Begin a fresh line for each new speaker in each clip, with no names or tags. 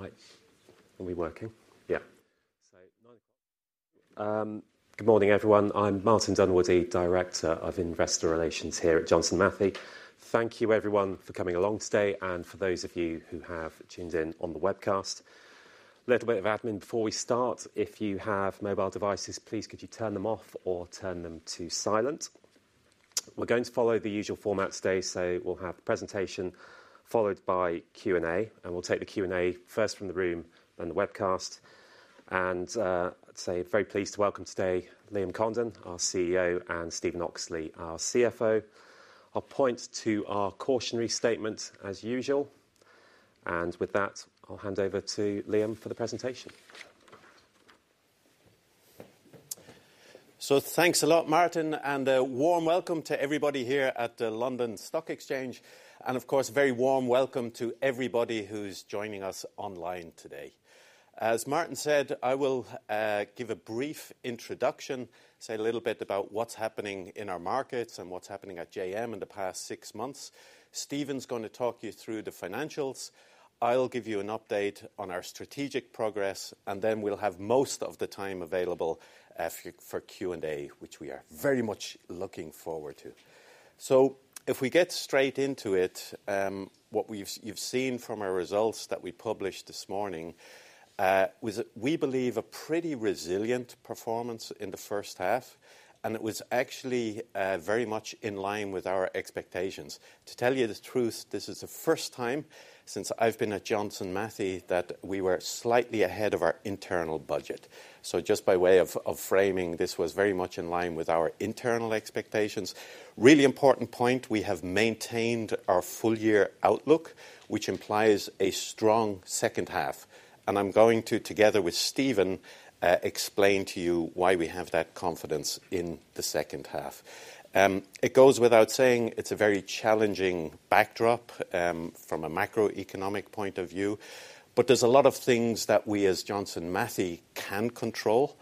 Right. Are we working? Yeah. So, 9:00 A.M. Good morning, everyone. I'm Martin Dunwoody, Director of Investor Relations here at Johnson Matthey. Thank you, everyone, for coming along today, and for those of you who have tuned in on the webcast. A little bit of admin before we start. If you have mobile devices, please could you turn them off or turn them to silent? We're going to follow the usual format today, so we'll have a presentation followed by Q&A, and we'll take the Q&A first from the room and the webcast. And, I'd say very pleased to welcome today Liam Condon, our CEO, and Stephen Oxley, our CFO. I'll point to our cautionary statement as usual. And with that, I'll hand over to Liam for the presentation.
So thanks a lot, Martin, and a warm welcome to everybody here at the London Stock Exchange, and of course, a very warm welcome to everybody who's joining us online today. As Martin said, I will give a brief introduction, say a little bit about what's happening in our markets and what's happening at JM in the past six months. Stephen's going to talk you through the financials. I'll give you an update on our strategic progress, and then we'll have most of the time available for Q&A, which we are very much looking forward to. So if we get straight into it, what you've seen from our results that we published this morning was we believe a pretty resilient performance in the first half, and it was actually very much in line with our expectations. To tell you the truth, this is the first time since I've been at Johnson Matthey that we were slightly ahead of our internal budget. So just by way of framing, this was very much in line with our internal expectations. Really important point, we have maintained our full-year outlook, which implies a strong second half. And I'm going to, together with Stephen, explain to you why we have that confidence in the second half. It goes without saying, it's a very challenging backdrop, from a macroeconomic point of view, but there's a lot of things that we as Johnson Matthey can control,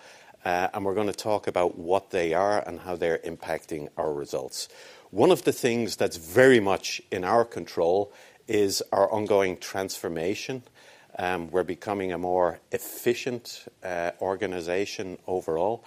and we're going to talk about what they are and how they're impacting our results. One of the things that's very much in our control is our ongoing transformation. We're becoming a more efficient organization overall.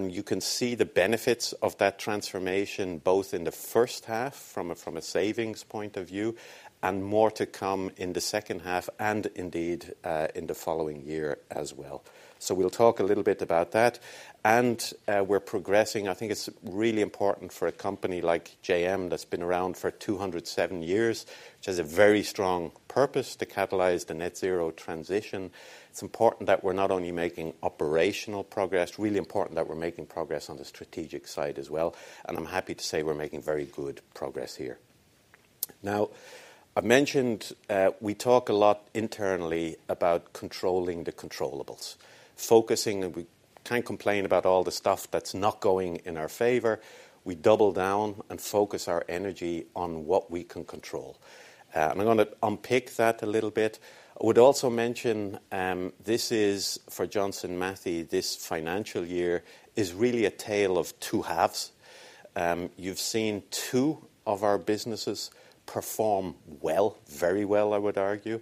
You can see the benefits of that transformation both in the first half from a savings point of view and more to come in the second half and indeed in the following year as well. So we'll talk a little bit about that. We're progressing. I think it's really important for a company like JM that's been around for 207 years, which has a very strong purpose to catalyze the net-zero transition. It's important that we're not only making operational progress. Really important that we're making progress on the strategic side as well. I'm happy to say we're making very good progress here. Now, I've mentioned we talk a lot internally about controlling the controllables, focusing, and we can't complain about all the stuff that's not going in our favor. We double down and focus our energy on what we can control. And I'm going to unpick that a little bit. I would also mention, this is for Johnson Matthey, this financial year is really a tale of two halves. You've seen two of our businesses perform well, very well, I would argue,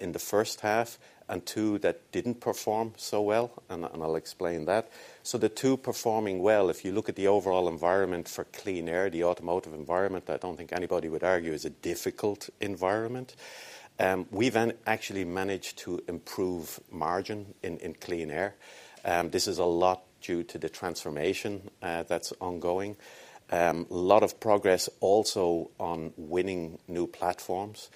in the first half, and two that didn't perform so well, and I'll explain that. The two performing well, if you look at the overall environment for Clean Air, the automotive environment, I don't think anybody would argue is a difficult environment. We've actually managed to improve margin in Clean Air. This is a lot due to the transformation, that's ongoing. A lot of progress also on winning new platforms.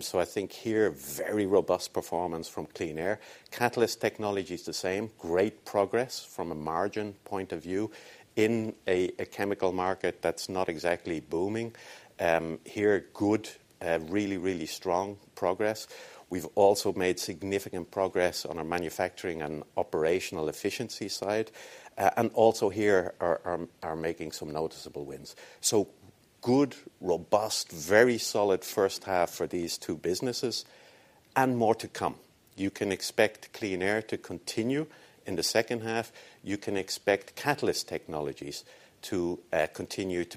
So I think here, very robust performance from Clean Air. Catalyst Technologies is the same, great progress from a margin point of view in a chemical market that's not exactly booming. Here, good, really strong progress. We've also made significant progress on our manufacturing and operational efficiency side. And also, we are making some noticeable wins. Good, robust, very solid first half for these two businesses and more to come. You can expect Clean Air to continue in the second half. You can expect Catalyst Technologies to continue to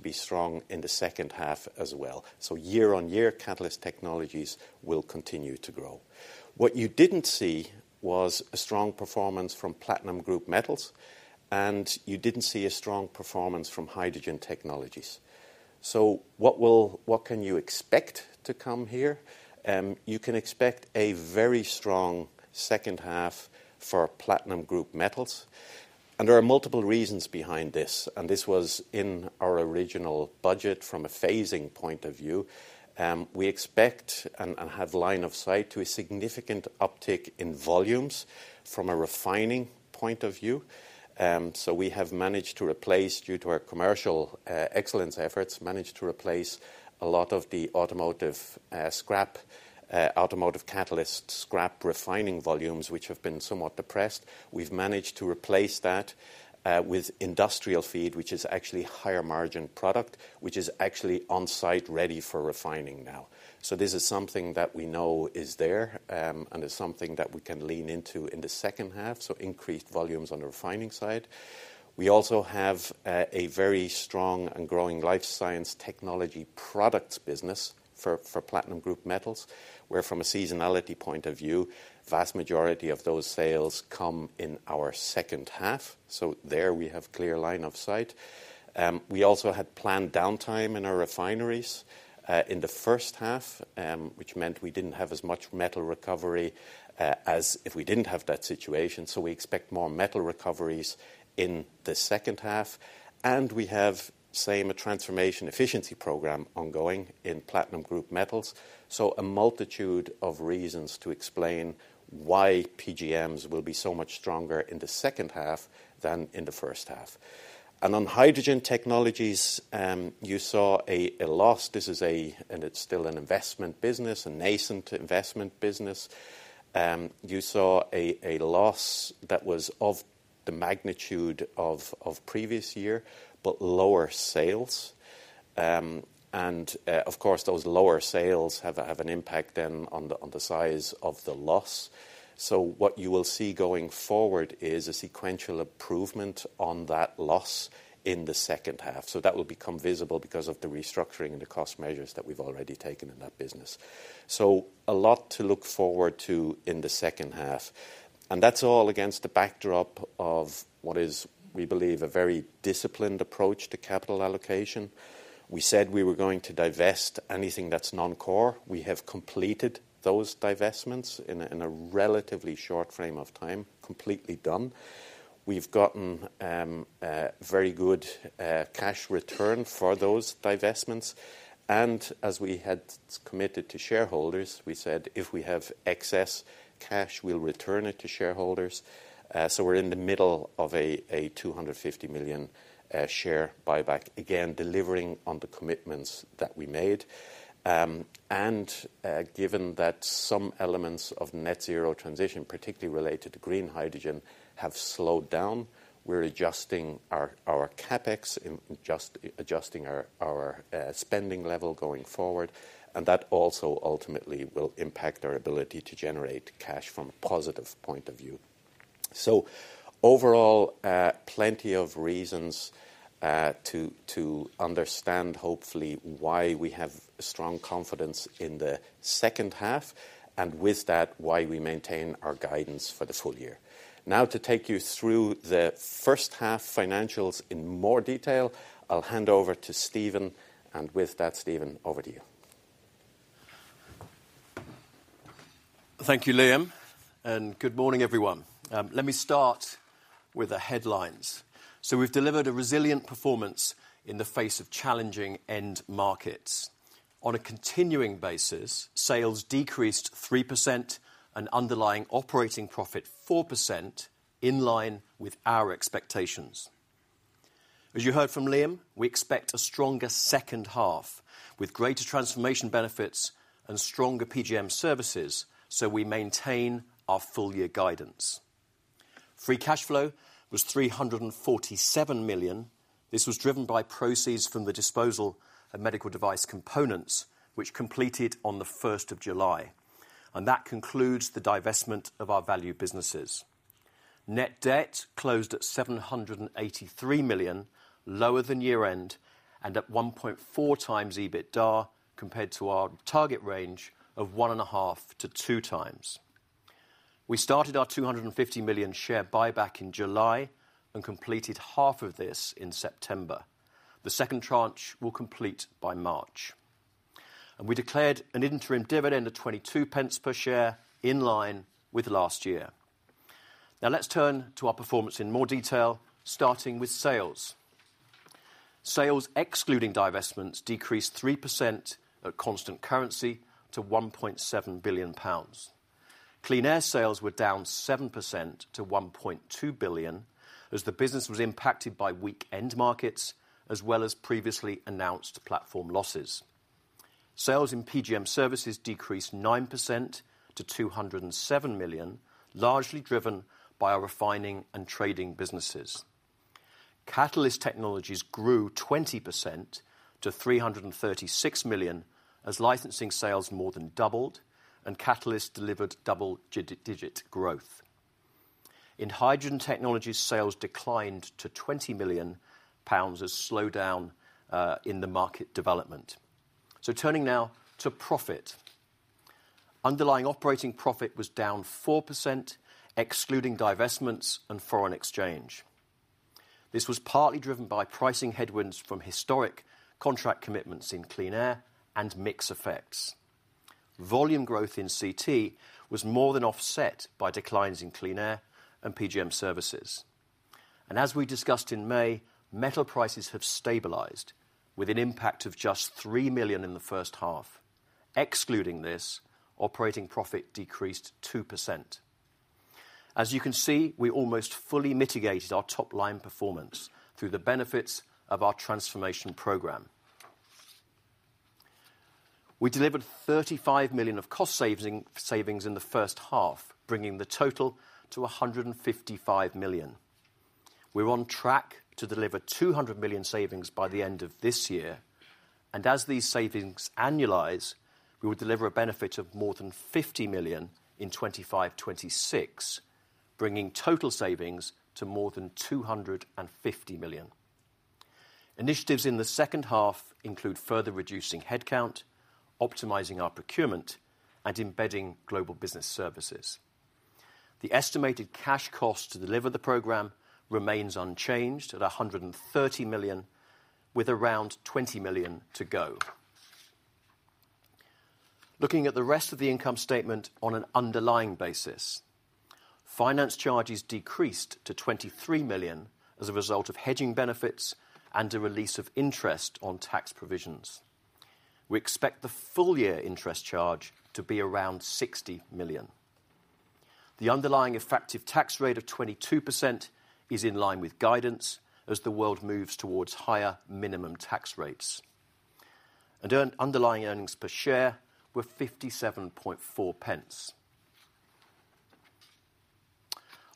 be strong in the second half as well. Year on year, Catalyst Technologies will continue to grow. What you didn't see was a strong performance from Platinum Group Metals, and you didn't see a strong performance from Hydrogen Technologies. What can you expect to come here? You can expect a very strong second half for Platinum Group Metals. There are multiple reasons behind this, and this was in our original budget from a phasing point of view. We expect and have line of sight to a significant uptick in volumes from a refining point of view. We have managed to replace, due to our commercial excellence efforts, a lot of the automotive scrap automotive catalyst scrap refining volumes, which have been somewhat depressed. We've managed to replace that with industrial feed, which is actually higher margin product, which is actually on-site ready for refining now. This is something that we know is there, and it's something that we can lean into in the second half, so increased volumes on the refining side. We also have a very strong and growing life science technology products business for Platinum Group Metals, where from a seasonality point of view, vast majority of those sales come in our second half. There we have clear line of sight. We also had planned downtime in our refineries in the first half, which meant we didn't have as much metal recovery as if we didn't have that situation. So we expect more metal recoveries in the second half. And we have same a transformation efficiency program ongoing in Platinum Group Metals. So a multitude of reasons to explain why PGMs will be so much stronger in the second half than in the first half. And on Hydrogen Technologies, you saw a loss. This is and it's still an investment business, a nascent investment business. You saw a loss that was of the magnitude of previous year, but lower sales. And of course those lower sales have an impact then on the size of the loss. So what you will see going forward is a sequential improvement on that loss in the second half. So that will become visible because of the restructuring and the cost measures that we've already taken in that business. So a lot to look forward to in the second half. And that's all against the backdrop of what is, we believe, a very disciplined approach to capital allocation. We said we were going to divest anything that's non-core. We have completed those divestments in a relatively short frame of time, completely done. We've gotten very good cash return for those divestments. And as we had committed to shareholders, we said if we have excess cash, we'll return it to shareholders. So we're in the middle of a 250 million share buyback, again, delivering on the commitments that we made. And, given that some elements of net-zero transition, particularly related to green hydrogen, have slowed down, we're adjusting our CapEx, adjusting our spending level going forward. And that also ultimately will impact our ability to generate cash from a positive point of view. So overall, plenty of reasons to understand hopefully why we have strong confidence in the second half, and with that, why we maintain our guidance for the full year. Now, to take you through the first half financials in more detail, I'll hand over to Stephen. And with that, Stephen, over to you.
Thank you, Liam. And good morning, everyone. Let me start with the headlines. So we've delivered a resilient performance in the face of challenging end markets. On a continuing basis, sales decreased 3% and underlying operating profit 4% in line with our expectations. As you heard from Liam, we expect a stronger second half with greater transformation benefits and stronger PGM Services, so we maintain our full-year guidance. Free cash flow was 347 million. This was driven by proceeds from the disposal of medical device components, which completed on the 1st of July. And that concludes the divestment of our value businesses. Net debt closed at 783 million, lower than year-end, and at 1.4x EBITDA compared to our target range of one and a half to two times. We started our 250 million share buyback in July and completed half of this in September. The second tranche will complete by March. And we declared an interim dividend of 0.22 per share in line with last year. Now, let's turn to our performance in more detail, starting with sales. Sales excluding divestments decreased 3% at constant currency to 1.7 billion pounds. Clean Air sales were down 7% to 1.2 billion as the business was impacted by weak end markets as well as previously announced platform losses. Sales in PGM Services decreased 9% to 207 million, largely driven by our refining and trading businesses. Catalyst Technologies grew 20% to 336 million as licensing sales more than doubled, and Catalyst delivered double-digit growth. In Hydrogen Technologies, sales declined to 20 million pounds as slowed down, in the market development. So turning now to profit. Underlying operating profit was down 4% excluding divestments and foreign exchange. This was partly driven by pricing headwinds from historic contract commitments in Clean Air and mixed effects. Volume growth in CT was more than offset by declines in Clean Air and PGM Services. And as we discussed in May, metal prices have stabilized with an impact of just 3 million in the first half. Excluding this, operating profit decreased 2%. As you can see, we almost fully mitigated our top-line performance through the benefits of our transformation program. We delivered 35 million of cost savings in the first half, bringing the total to 155 million. We're on track to deliver 200 million savings by the end of this year. And as these savings annualize, we will deliver a benefit of more than 50 million in 2025-2026, bringing total savings to more than 250 million. Initiatives in the second half include further reducing headcount, optimizing our procurement, and embedding global business services. The estimated cash cost to deliver the program remains unchanged at 130 million, with around 20 million to go. Looking at the rest of the income statement on an underlying basis, finance charges decreased to 23 million as a result of hedging benefits and a release of interest on tax provisions. We expect the full-year interest charge to be around 60 million. The underlying effective tax rate of 22% is in line with guidance as the world moves towards higher minimum tax rates, and underlying earnings per share were 57.4.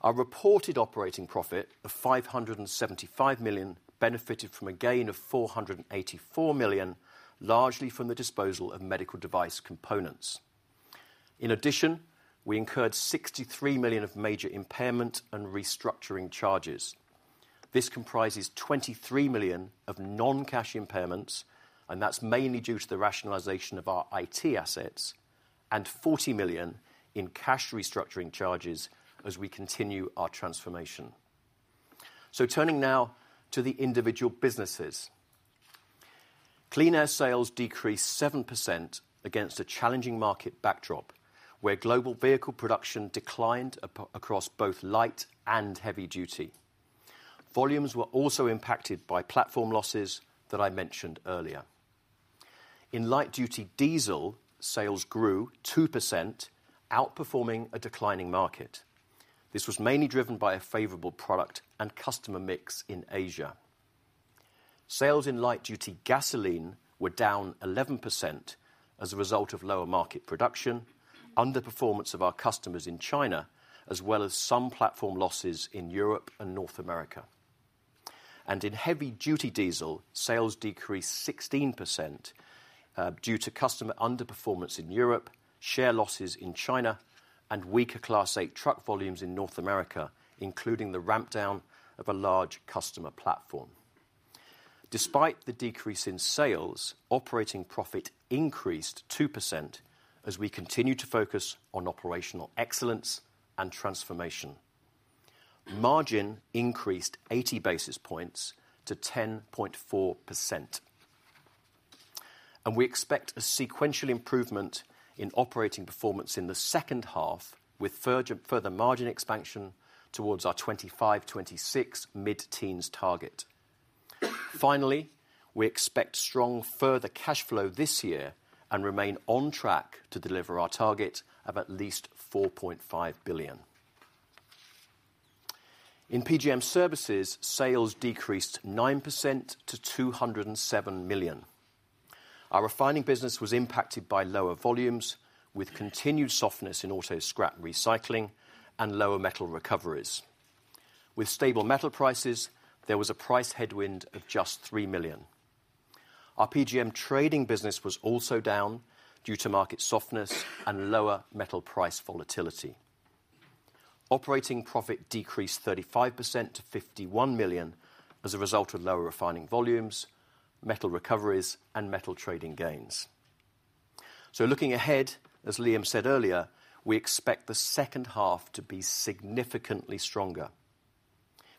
Our reported operating profit of 575 million benefited from a gain of 484 million, largely from the disposal of medical device components. In addition, we incurred 63 million of major impairment and restructuring charges. This comprises 23 million of non-cash impairments, and that's mainly due to the rationalization of our IT assets, and 40 million in cash restructuring charges as we continue our transformation, so turning now to the individual businesses. Clean Air sales decreased 7% against a challenging market backdrop where global vehicle production declined across both light and heavy duty. Volumes were also impacted by platform losses that I mentioned earlier. In light duty diesel, sales grew 2%, outperforming a declining market. This was mainly driven by a favorable product and customer mix in Asia. Sales in light duty gasoline were down 11% as a result of lower market production, underperformance of our customers in China, as well as some platform losses in Europe and North America. In heavy duty diesel, sales decreased 16%, due to customer underperformance in Europe, share losses in China, and weaker Class 8 truck volumes in North America, including the ramp-down of a large customer platform. Despite the decrease in sales, operating profit increased 2% as we continue to focus on operational excellence and transformation. Margin increased 80 basis points to 10.4%. We expect a sequential improvement in operating performance in the second half with further margin expansion towards our 2025-2026 mid-teens target. Finally, we expect strong further cash flow this year and remain on track to deliver our target of at least 4.5 billion. In PGM Services, sales decreased 9% to 207 million. Our refining business was impacted by lower volumes with continued softness in auto scrap recycling and lower metal recoveries. With stable metal prices, there was a price headwind of just 3 million. Our PGM trading business was also down due to market softness and lower metal price volatility. Operating profit decreased 35% to 51 million as a result of lower refining volumes, metal recoveries, and metal trading gains. So looking ahead, as Liam said earlier, we expect the second half to be significantly stronger.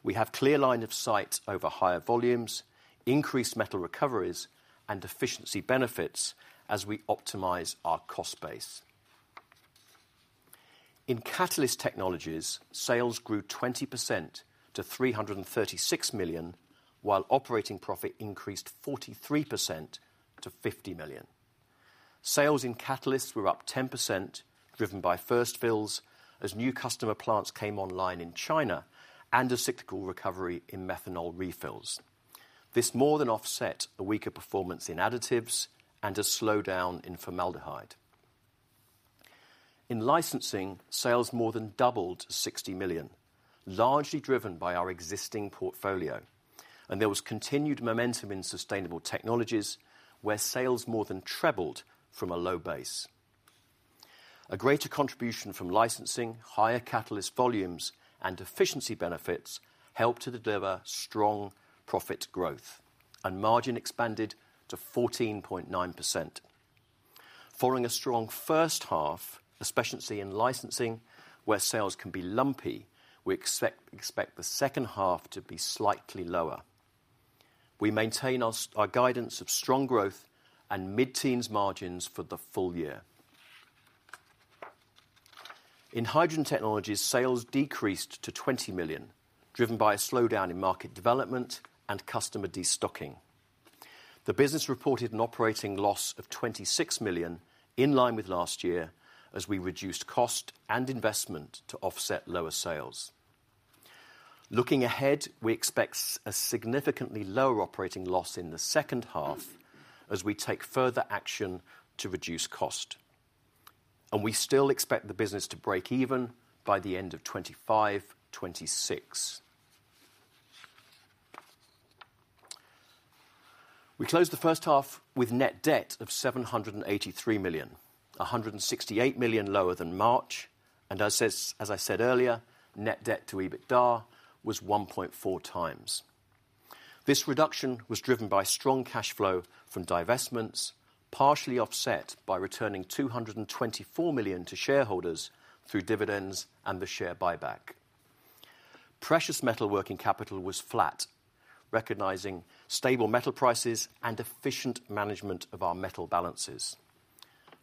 We have clear line of sight over higher volumes, increased metal recoveries, and efficiency benefits as we optimize our cost base. In Catalyst Technologies, sales grew 20% to 336 million, while operating profit increased 43% to 50 million. Sales in Catalyst were up 10%, driven by first fills as new customer plants came online in China and a cyclical recovery in methanol refills. This more than offset a weaker performance in additives and a slowdown in formaldehyde. In licensing, sales more than doubled to 60 million, largely driven by our existing portfolio, and there was continued momentum in Sustainable Technologies where sales more than tripled from a low base. A greater contribution from licensing, higher Catalyst volumes, and efficiency benefits helped to deliver strong profit growth, and margin expanded to 14.9%. Following a strong first half, especially in licensing, where sales can be lumpy, we expect the second half to be slightly lower. We maintain our guidance of strong growth and mid-teens margins for the full year. In Hydrogen Technologies, sales decreased to 20 million, driven by a slowdown in market development and customer destocking. The business reported an operating loss of 26 million in line with last year as we reduced cost and investment to offset lower sales. Looking ahead, we expect a significantly lower operating loss in the second half as we take further action to reduce cost, and we still expect the business to break even by the end of 2025-2026. We closed the first half with net debt of 783 million, 168 million lower than March. And as I said earlier, net debt to EBITDA was 1.4x. This reduction was driven by strong cash flow from divestments, partially offset by returning 224 million to shareholders through dividends and the share buyback. Precious metal working capital was flat, recognizing stable metal prices and efficient management of our metal balances.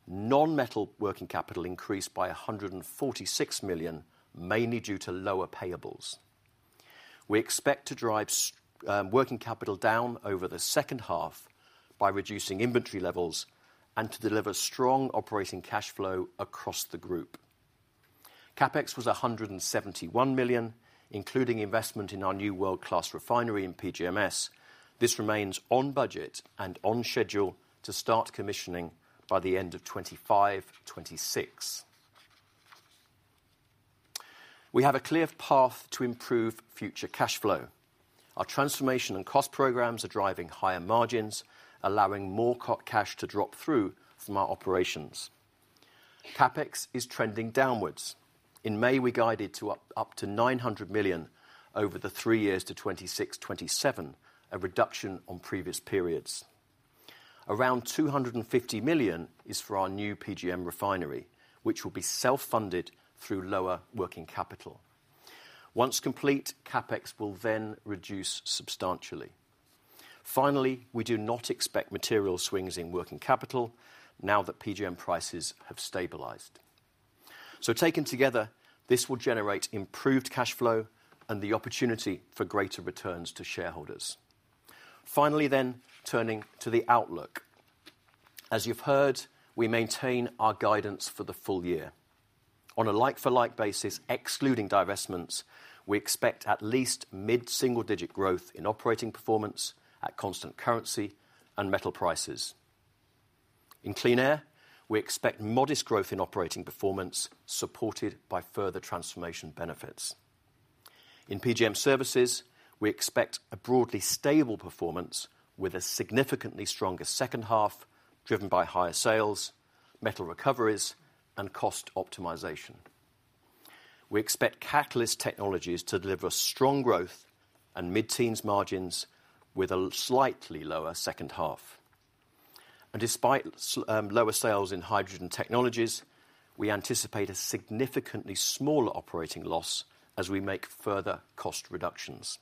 Non-metal working capital increased by 146 million, mainly due to lower payables. We expect to drive working capital down over the second half by reducing inventory levels and to deliver strong operating cash flow across the group. CapEx was 171 million, including investment in our new world-class refinery in PGM Services. This remains on budget and on schedule to start commissioning by the end of 2025-2026. We have a clear path to improve future cash flow. Our transformation and cost programs are driving higher margins, allowing more cash to drop through from our operations. CapEx is trending downwards. In May, we guided to up to 900 million over the three years to 2026-2027, a reduction on previous periods. Around 250 million is for our new PGM refinery, which will be self-funded through lower working capital. Once complete, CapEx will then reduce substantially. Finally, we do not expect material swings in working capital now that PGM prices have stabilized. So taken together, this will generate improved cash flow and the opportunity for greater returns to shareholders. Finally then, turning to the outlook. As you've heard, we maintain our guidance for the full year. On a like-for-like basis, excluding divestments, we expect at least mid-single-digit growth in operating performance at constant currency and metal prices. In clean air, we expect modest growth in operating performance supported by further transformation benefits. In PGM services, we expect a broadly stable performance with a significantly stronger second half driven by higher sales, metal recoveries, and cost optimization. We expect Catalyst Technologies to deliver strong growth and mid-teens margins with a slightly lower second half. And despite lower sales in Hydrogen Technologies, we anticipate a significantly smaller operating loss as we make further cost reductions.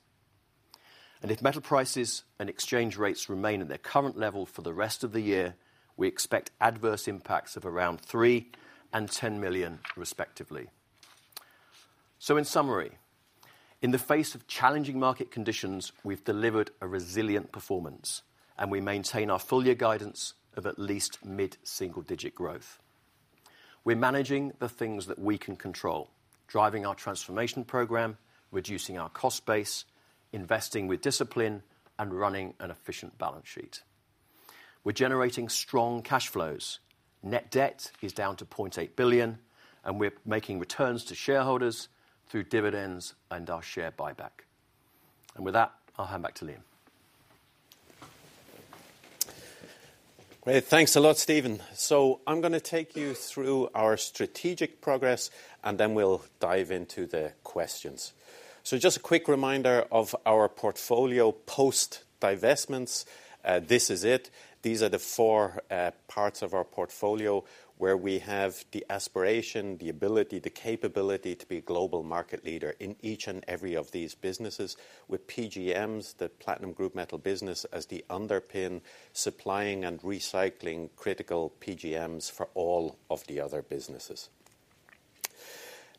And if metal prices and exchange rates remain at their current level for the rest of the year, we expect adverse impacts of around 3 million and 10 million, respectively. So in summary, in the face of challenging market conditions, we've delivered a resilient performance, and we maintain our full-year guidance of at least mid-single-digit growth. We're managing the things that we can control, driving our transformation program, reducing our cost base, investing with discipline, and running an efficient balance sheet. We're generating strong cash flows. Net debt is down to 0.8 billion, and we're making returns to shareholders through dividends and our share buyback. And with that, I'll hand back to Liam.
Great. Thanks a lot, Stephen. So I'm going to take you through our strategic progress, and then we'll dive into the questions. So just a quick reminder of our portfolio post-divestments. This is it. These are the four parts of our portfolio where we have the aspiration, the ability, the capability to be a global market leader in each and every of these businesses, with PGMs, the Platinum Group metal business, as the underpin supplying and recycling critical PGMs for all of the other businesses.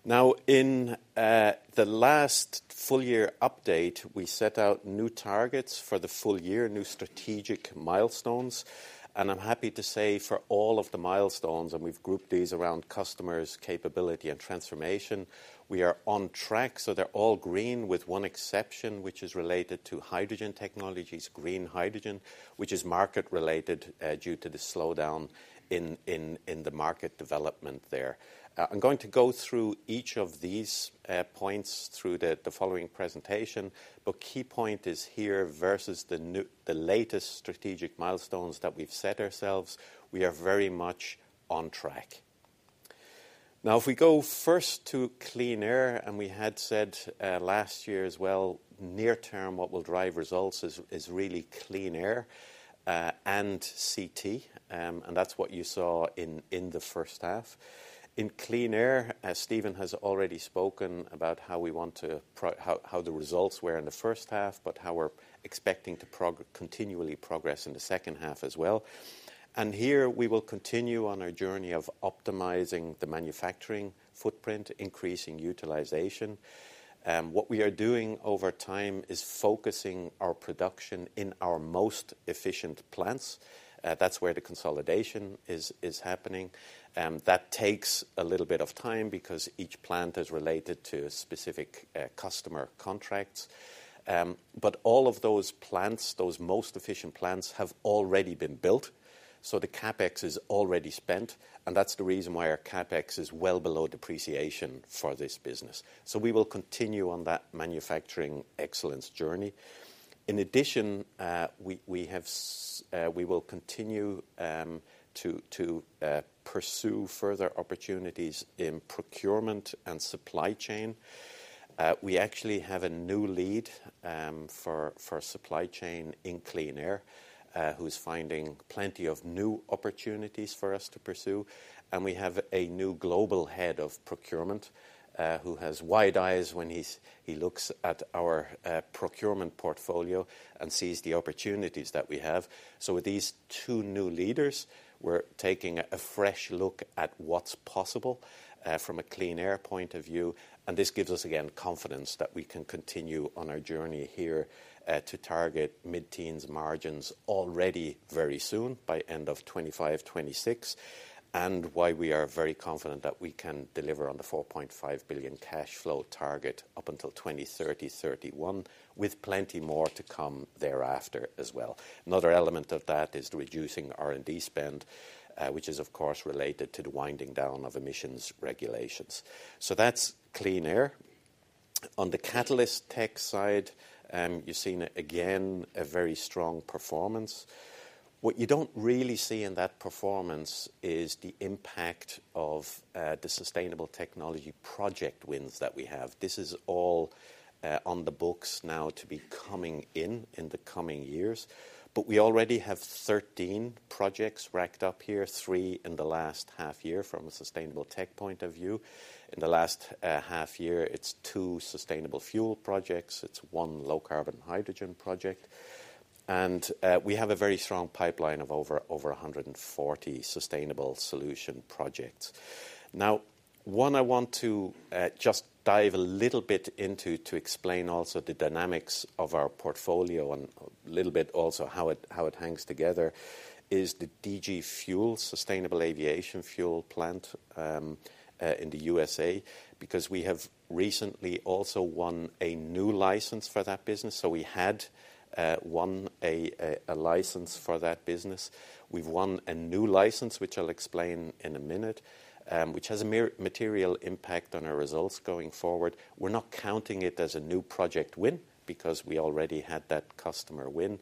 Now, in the last full-year update, we set out new targets for the full year, new strategic milestones, and I'm happy to say for all of the milestones, and we've grouped these around customers, capability, and transformation, we are on track, so they're all green with one exception, which is related to Hydrogen Technologies, green hydrogen, which is market-related due to the slowdown in the market development there. I'm going to go through each of these points through the following presentation. But key point is here versus the new, the latest strategic milestones that we've set ourselves, we are very much on track. Now, if we go first to Clean Air, and we had said last year as well, near-term, what will drive results is really Clean Air and CT. And that's what you saw in the first half. In Clean Air, Stephen has already spoken about how we want to, how the results were in the first half, but how we're expecting to continually progress in the second half as well. And here we will continue on our journey of optimizing the manufacturing footprint, increasing utilization. What we are doing over time is focusing our production in our most efficient plants. That's where the consolidation is happening. That takes a little bit of time because each plant is related to specific customer contracts. All of those plants, those most efficient plants have already been built. So the CapEx is already spent. And that's the reason why our CapEx is well below depreciation for this business. So we will continue on that manufacturing excellence journey. In addition, we will continue to pursue further opportunities in procurement and supply chain. We actually have a new lead for supply chain in Clean Air, who's finding plenty of new opportunities for us to pursue. And we have a new global head of procurement who has wide eyes when he looks at our procurement portfolio and sees the opportunities that we have. So with these two new leaders, we're taking a fresh look at what's possible from a Clean Air point of view. And this gives us, again, confidence that we can continue on our journey here to target mid-teens margins already very soon by end of 2025-26. And why we are very confident that we can deliver on the 4.5 billion cash flow target up until 2030-2031, with plenty more to come thereafter as well. Another element of that is reducing R&D spend, which is, of course, related to the winding down of emissions regulations. So that's Clean Air. On the Catalyst Technologies side, you've seen again a very strong performance. What you don't really see in that performance is the impact of the sustainable technology project wins that we have. This is all on the books now to be coming in, in the coming years. But we already have 13 projects racked up here, three in the last half year from a sustainable tech point of view. In the last half year, it's two sustainable fuel projects. It's one low carbon hydrogen project. And we have a very strong pipeline of over 140 sustainable solution projects. Now, one I want to just dive a little bit into to explain also the dynamics of our portfolio and a little bit also how it hangs together is the DG Fuels sustainable aviation fuel plant in the USA, because we have recently also won a new license for that business. So we had won a license for that business. We've won a new license, which I'll explain in a minute, which has a material impact on our results going forward. We're not counting it as a new project win because we already had that customer win,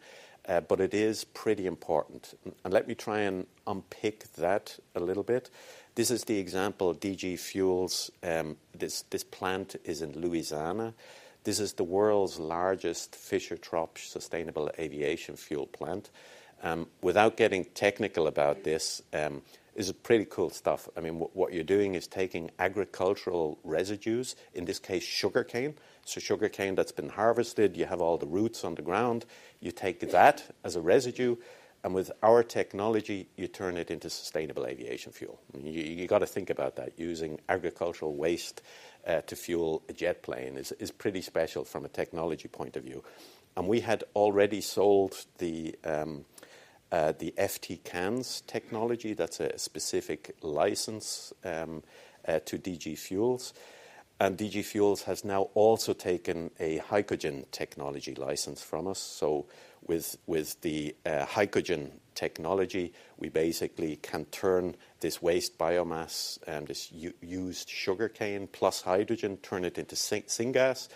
but it is pretty important. And let me try and unpick that a little bit. This is the example DG Fuels. This, this plant is in Louisiana. This is the world's largest Fischer-Tropsch sustainable aviation fuel plant. Without getting technical about this, this is pretty cool stuff. I mean, what you're doing is taking agricultural residues, in this case, sugarcane. So sugarcane that's been harvested, you have all the roots on the ground, you take that as a residue, and with our technology, you turn it into sustainable aviation fuel. I mean, you, you got to think about that. Using agricultural waste to fuel a jet plane is, is pretty special from a technology point of view. And we had already sold the, the FT CANS technology. That's a specific license to DG Fuels. And DG Fuels has now also taken a hydrogen technology license from us. So with the hydrogen technology, we basically can turn this waste biomass and this used sugarcane plus hydrogen, turn it into syngas.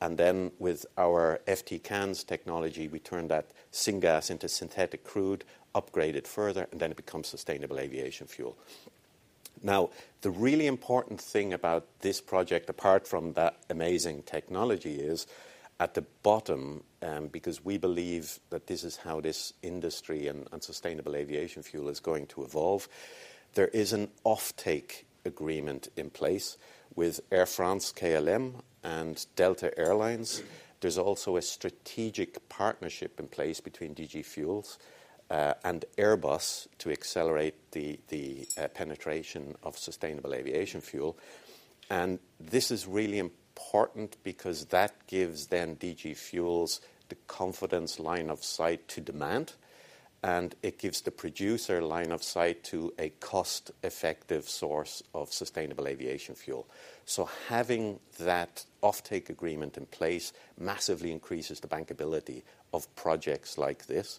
And then with our FT CANS technology, we turn that syngas into synthetic crude, upgrade it further, and then it becomes sustainable aviation fuel. Now, the really important thing about this project, apart from that amazing technology, is at the bottom, because we believe that this is how this industry and sustainable aviation fuel is going to evolve, there is an offtake agreement in place with Air France, KLM, and Delta Air Lines. There's also a strategic partnership in place between DG Fuels and Airbus to accelerate the penetration of sustainable aviation fuel. This is really important because that gives then DG Fuels the confidence line of sight to demand, and it gives the producer line of sight to a cost-effective source of sustainable aviation fuel. Having that offtake agreement in place massively increases the bankability of projects like this.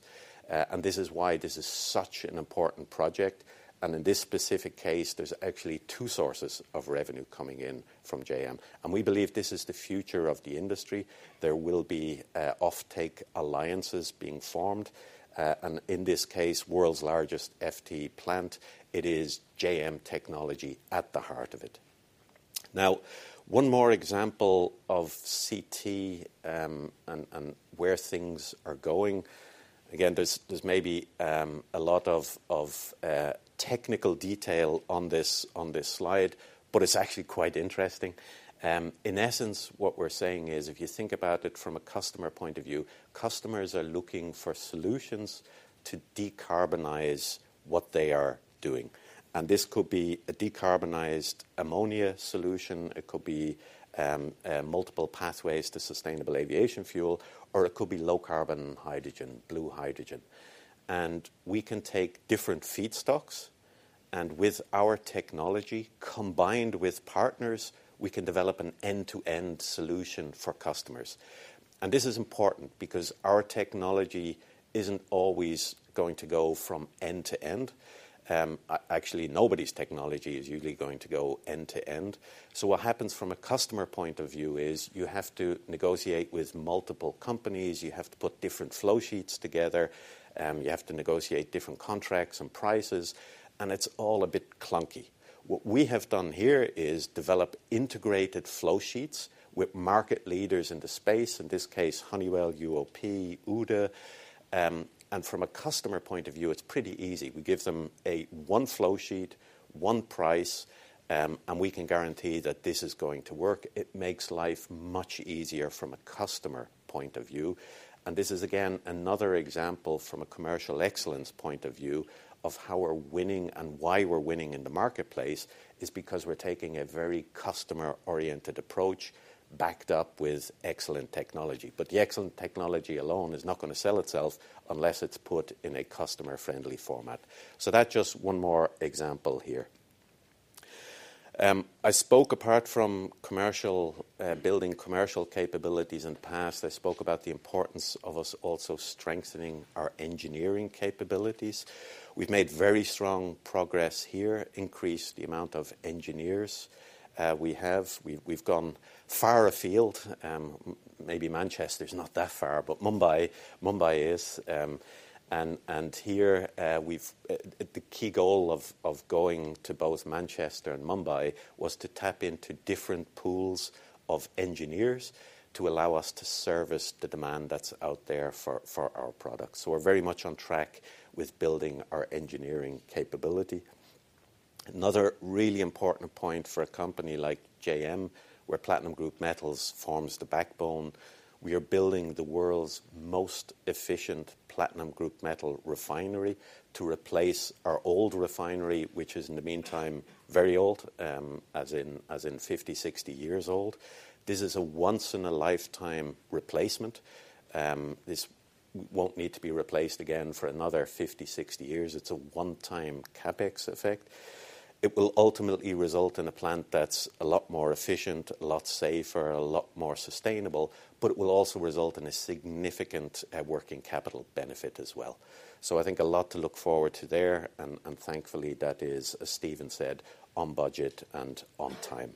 This is why this is such an important project. In this specific case, there's actually two sources of revenue coming in from JM. We believe this is the future of the industry. There will be offtake alliances being formed. In this case, world's largest FT plant, it is JM technology at the heart of it. Now, one more example of CT and where things are going. Again, there's maybe a lot of technical detail on this slide, but it's actually quite interesting. In essence, what we're saying is, if you think about it from a customer point of view, customers are looking for solutions to decarbonize what they are doing. And this could be a decarbonized ammonia solution. It could be multiple pathways to sustainable aviation fuel, or it could be low carbon hydrogen, blue hydrogen. And we can take different feedstocks and with our technology combined with partners, we can develop an end-to-end solution for customers. And this is important because our technology isn't always going to go from end to end. Actually, nobody's technology is usually going to go end to end. So what happens from a customer point of view is you have to negotiate with multiple companies. You have to put different flow sheets together. You have to negotiate different contracts and prices. And it's all a bit clunky. What we have done here is develop integrated flow sheets with market leaders in the space, in this case, Honeywell UOP, thyssenkrupp Uhde, and from a customer point of view, it's pretty easy. We give them a one flow sheet, one price, and we can guarantee that this is going to work. It makes life much easier from a customer point of view. And this is, again, another example from a commercial excellence point of view of how we're winning and why we're winning in the marketplace is because we're taking a very customer-oriented approach backed up with excellent technology. But the excellent technology alone is not going to sell itself unless it's put in a customer-friendly format. So that's just one more example here. I spoke about building commercial capabilities in the past. I spoke about the importance of us also strengthening our engineering capabilities. We've made very strong progress here, increased the amount of engineers we have. We've gone far afield. Maybe Manchester is not that far, but Mumbai is. And here, we've the key goal of going to both Manchester and Mumbai was to tap into different pools of engineers to allow us to service the demand that's out there for our products. So we're very much on track with building our engineering capability. Another really important point for a company like JM, where Platinum Group Metals forms the backbone, we are building the world's most efficient Platinum Group Metals refinery to replace our old refinery, which is, in the meantime, very old, as in 50-60 years old. This is a once-in-a-lifetime replacement. This won't need to be replaced again for another 50-60 years. It's a one-time CapEx effect. It will ultimately result in a plant that's a lot more efficient, a lot safer, a lot more sustainable, but it will also result in a significant working capital benefit as well. So I think a lot to look forward to there. And thankfully, that is, as Stephen said, on budget and on time.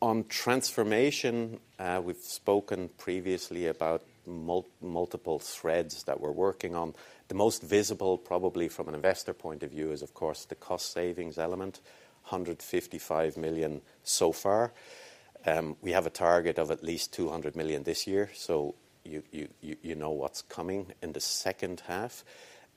On transformation, we've spoken previously about multiple threads that we're working on. The most visible, probably from an investor point of view, is, of course, the cost savings element, 155 million so far. We have a target of at least 200 million this year. So you know what's coming in the second half.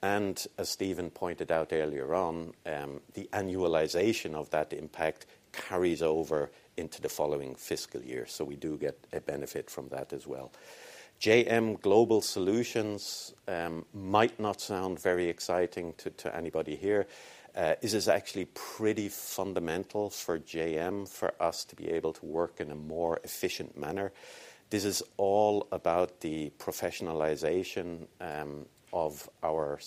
And as Stephen pointed out earlier on, the annualization of that impact carries over into the following fiscal year. So we do get a benefit from that as well. JM Global Solutions might not sound very exciting to anybody here. This is actually pretty fundamental for JM, for us to be able to work in a more efficient manner. This is all about the professionalization of our,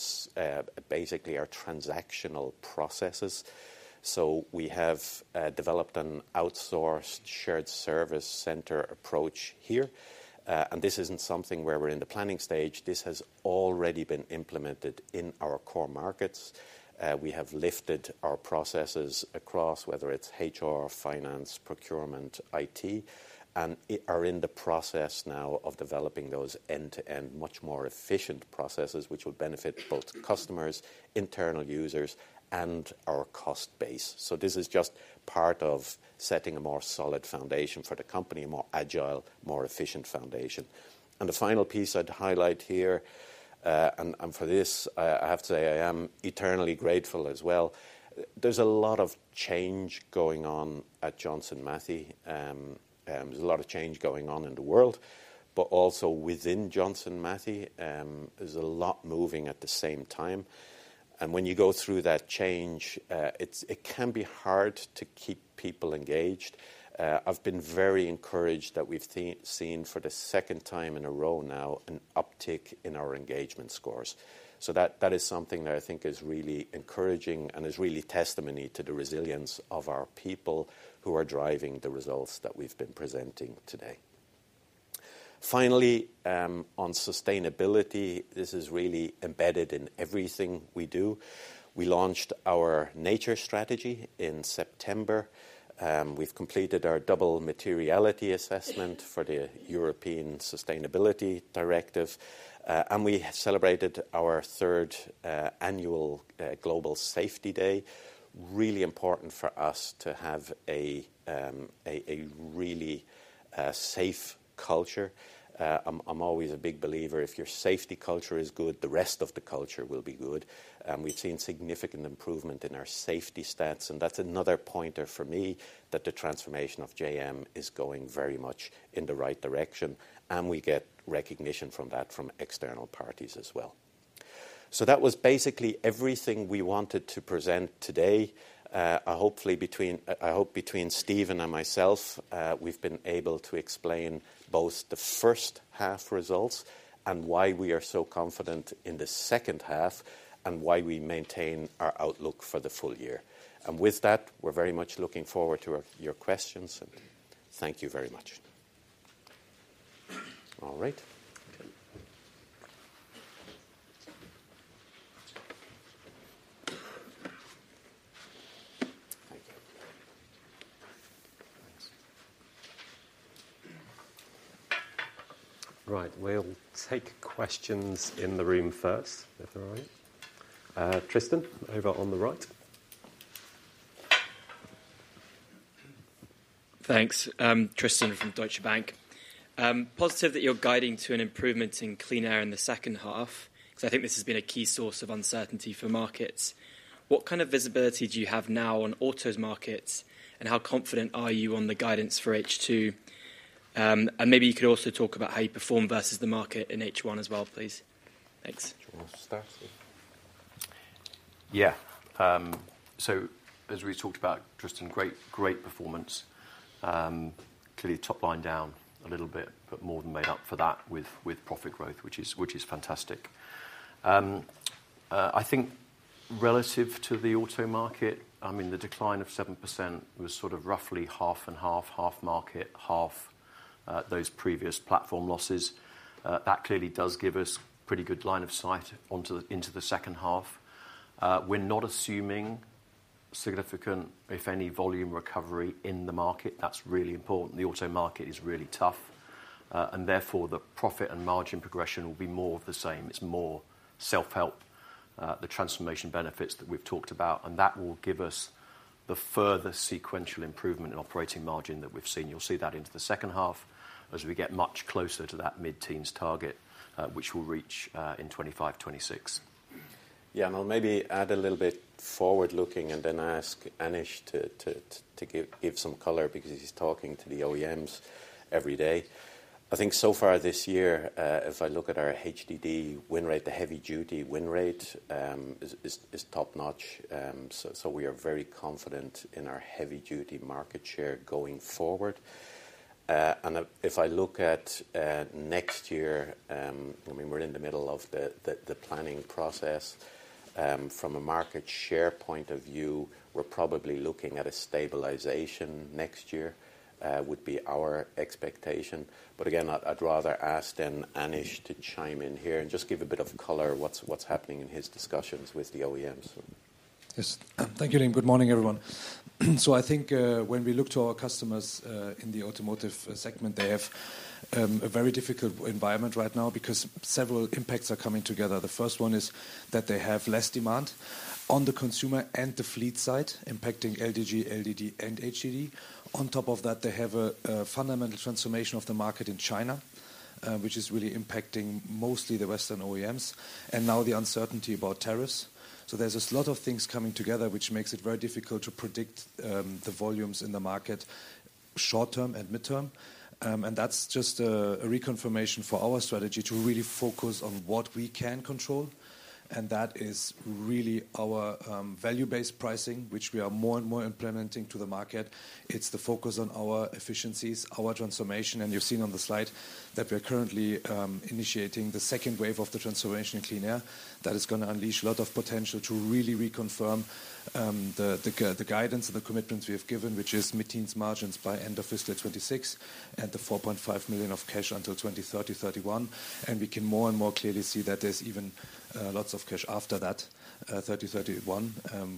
basically our transactional processes. So we have developed an outsourced shared service center approach here. And this isn't something where we're in the planning stage. This has already been implemented in our core markets. We have lifted our processes across, whether it's HR, finance, procurement, IT, and are in the process now of developing those end-to-end, much more efficient processes, which will benefit both customers, internal users, and our cost base. So this is just part of setting a more solid foundation for the company, a more agile, more efficient foundation. And the final piece I'd highlight here, and for this, I have to say I am eternally grateful as well. There's a lot of change going on at Johnson Matthey. There's a lot of change going on in the world, but also within Johnson Matthey, there's a lot moving at the same time. And when you go through that change, it can be hard to keep people engaged. I've been very encouraged that we've seen for the second time in a row now an uptick in our engagement scores. So that, that is something that I think is really encouraging and is really testimony to the resilience of our people who are driving the results that we've been presenting today. Finally, on sustainability, this is really embedded in everything we do. We launched our nature strategy in September. We've completed our double materiality assessment for the European Sustainability Directive, and we celebrated our third annual Global Safety Day. Really important for us to have a really safe culture. I'm always a big believer if your safety culture is good, the rest of the culture will be good. We've seen significant improvement in our safety stats. That's another pointer for me that the transformation of JM is going very much in the right direction. We get recognition from that from external parties as well. That was basically everything we wanted to present today. I hope between Stephen and myself, we've been able to explain both the first half results and why we are so confident in the second half and why we maintain our outlook for the full year. With that, we're very much looking forward to your questions. Thank you very much.
All right. Thank you. Right. We'll take questions in the room first. All right, Tristan over on the right. Thanks. Tristan from Deutsche Bank.
Positive that you're guiding to an improvement in clean air in the second half, because I think this has been a key source of uncertainty for markets. What kind of visibility do you have now on auto's markets, and how confident are you on the guidance for H2, and maybe you could also talk about how you perform versus the market in H1 as well, please. Thanks.
Yeah, so as we talked about, Tristan, great, great performance. Clearly top line down a little bit, but more than made up for that with profit growth, which is fantastic. I think relative to the auto market, I mean, the decline of 7% was sort of roughly half and half, half market, half those previous platform losses. That clearly does give us pretty good line of sight into the second half. We're not assuming significant, if any, volume recovery in the market. That's really important. The auto market is really tough, and therefore the profit and margin progression will be more of the same. It's more self-help, the transformation benefits that we've talked about, and that will give us the further sequential improvement in operating margin that we've seen. You'll see that into the second half as we get much closer to that mid-teens target, which will reach in 2025, 2026.
Yeah. And I'll maybe add a little bit forward-looking and then ask Anish to give some color because he's talking to the OEMs every day. I think so far this year, if I look at our HDD win rate, the heavy duty win rate is top notch. So we are very confident in our heavy duty market share going forward. If I look at next year, I mean, we're in the middle of the planning process. From a market share point of view, we're probably looking at a stabilization next year would be our expectation. But again, I'd rather ask, then Anish to chime in here and just give a bit of color what's happening in his discussions with the OEMs.
Thank you, Liam. Good morning, everyone. I think when we look to our customers in the automotive segment, they have a very difficult environment right now because several impacts are coming together. The first one is that they have less demand on the consumer and the fleet side impacting LDG, LDD, and HDD. On top of that, they have a fundamental transformation of the market in China, which is really impacting mostly the Western OEMs and now the uncertainty about tariffs. There's a lot of things coming together, which makes it very difficult to predict the volumes in the market short term and mid term. That's just a reconfirmation for our strategy to really focus on what we can control. That is really our value-based pricing, which we are more and more implementing to the market. It's the focus on our efficiencies, our transformation. You've seen on the slide that we are currently initiating the second wave of the transformation in Clean Air that is going to unleash a lot of potential to really reconfirm the guidance and the commitments we have given, which is mid-teens margins by end of fiscal 2026 and the 4.5 million of cash until 2030-2031. And we can more and more clearly see that there's even lots of cash after that, 30, 31,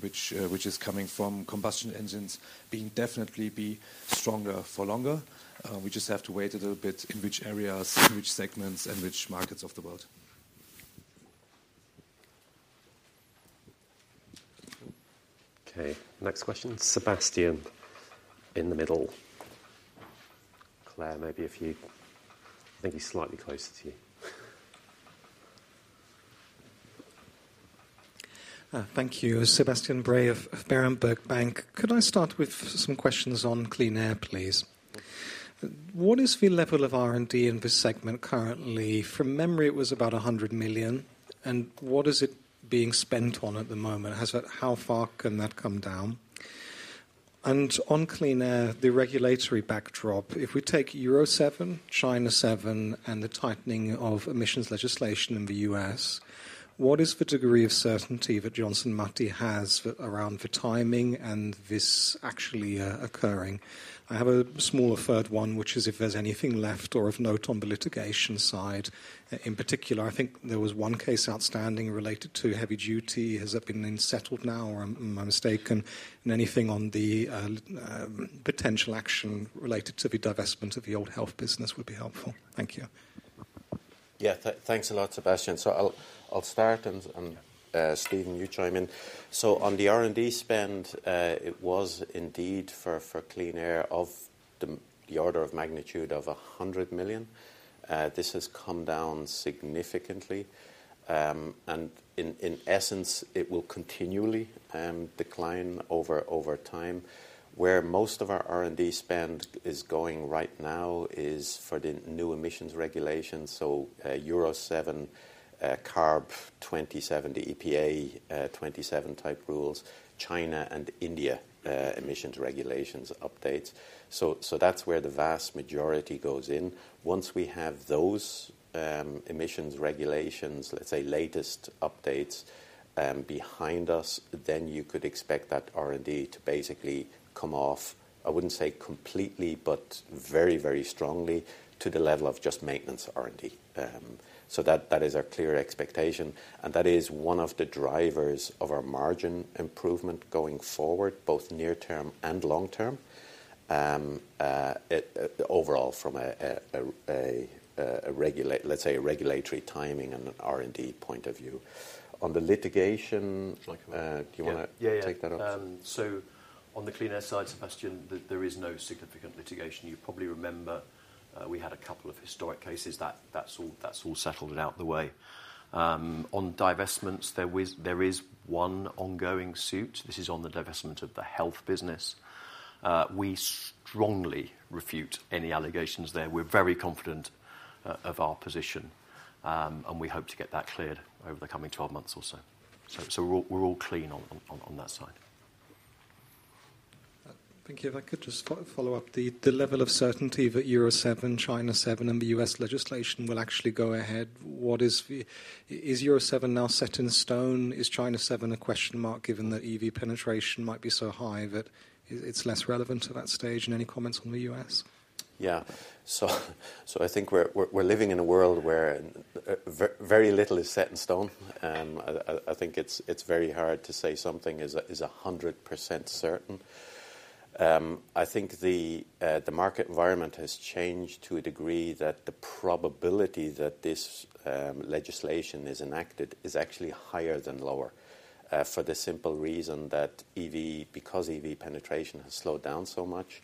which is coming from combustion engines being definitely be stronger for longer. We just have to wait a little bit in which areas, in which segments, and which markets of the world.
Okay. Next question, Sebastian in the middle. Claire, maybe a few. I think he's slightly closer to you.
Thank you. Sebastian Bray of Berenberg. Could I start with some questions on clean air, please? What is the level of R&D in this segment currently? From memory, it was about 100 million. And what is it being spent on at the moment? How far can that come down? On clean air, the regulatory backdrop, if we take Euro 7, China 7, and the tightening of emissions legislation in the U.S., what is the degree of certainty that Johnson Matthey has around the timing and this actually occurring? I have a smaller third one, which is if there's anything left or of note on the litigation side in particular. I think there was one case outstanding related to heavy duty. Has that been settled now or am I mistaken? And anything on the potential action related to the divestment of the old health business would be helpful. Thank you.
Yeah. Thanks a lot, Sebastian. So I'll start and Stephen, you chime in. So on the R&D spend, it was indeed for clean air of the order of magnitude of 100 million. This has come down significantly. In essence, it will continually decline over time. Where most of our R&D spend is going right now is for the new emissions regulations. So Euro 7, CARB 2027, EPA 2027 type rules, China and India emissions regulations updates. So that's where the vast majority goes in. Once we have those emissions regulations, let's say latest updates behind us, then you could expect that R&D to basically come off. I wouldn't say completely, but very, very strongly to the level of just maintenance R&D. So that is our clear expectation. And that is one of the drivers of our margin improvement going forward, both near term and long term, overall from a regulatory timing and an R&D point of view. On the litigation, do you want to take that off?
So on the clean air side, Sebastian, there is no significant litigation. You probably remember we had a couple of historic cases. That's all settled out the way. On divestments, there was, there is one ongoing suit. This is on the divestment of the health business. We strongly refute any allegations there. We're very confident of our position, and we hope to get that cleared over the coming 12 months or so. So we're all clean on that side.
Thank you. If I could just follow up the level of certainty that Euro 7, China 7, and the US legislation will actually go ahead. Is Euro 7 now set in stone? Is China 7 a question mark given that EV penetration might be so high that it's less relevant at that stage? And any comments on the US?
Yeah. So I think we're living in a world where very little is set in stone. I think it's very hard to say something is 100% certain. I think the market environment has changed to a degree that the probability that this legislation is enacted is actually higher than lower for the simple reason that EV, because EV penetration has slowed down so much,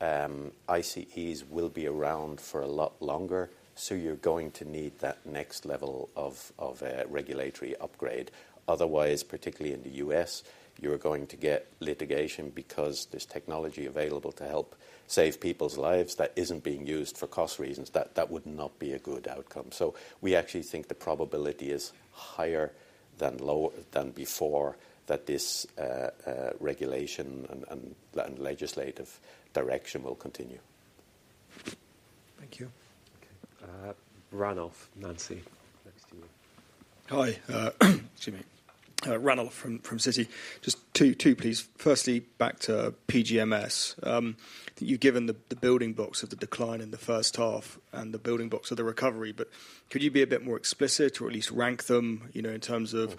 ICEs will be around for a lot longer. So you're going to need that next level of a regulatory upgrade. Otherwise, particularly in the U.S., you're going to get litigation because there's technology available to help save people's lives that isn't being used for cost reasons. That would not be a good outcome. So we actually think the probability is higher than lower than before that this regulation and legislative direction will continue.
Thank you. Okay.
Ranulf, Nancy, next to you.
Hi. Excuse me. Ranulf from Citi. Just two please. Firstly, back to PGMS. I think you've given the building blocks of the decline in the first half and the building blocks of the recovery, but could you be a bit more explicit or at least rank them, you know, in terms of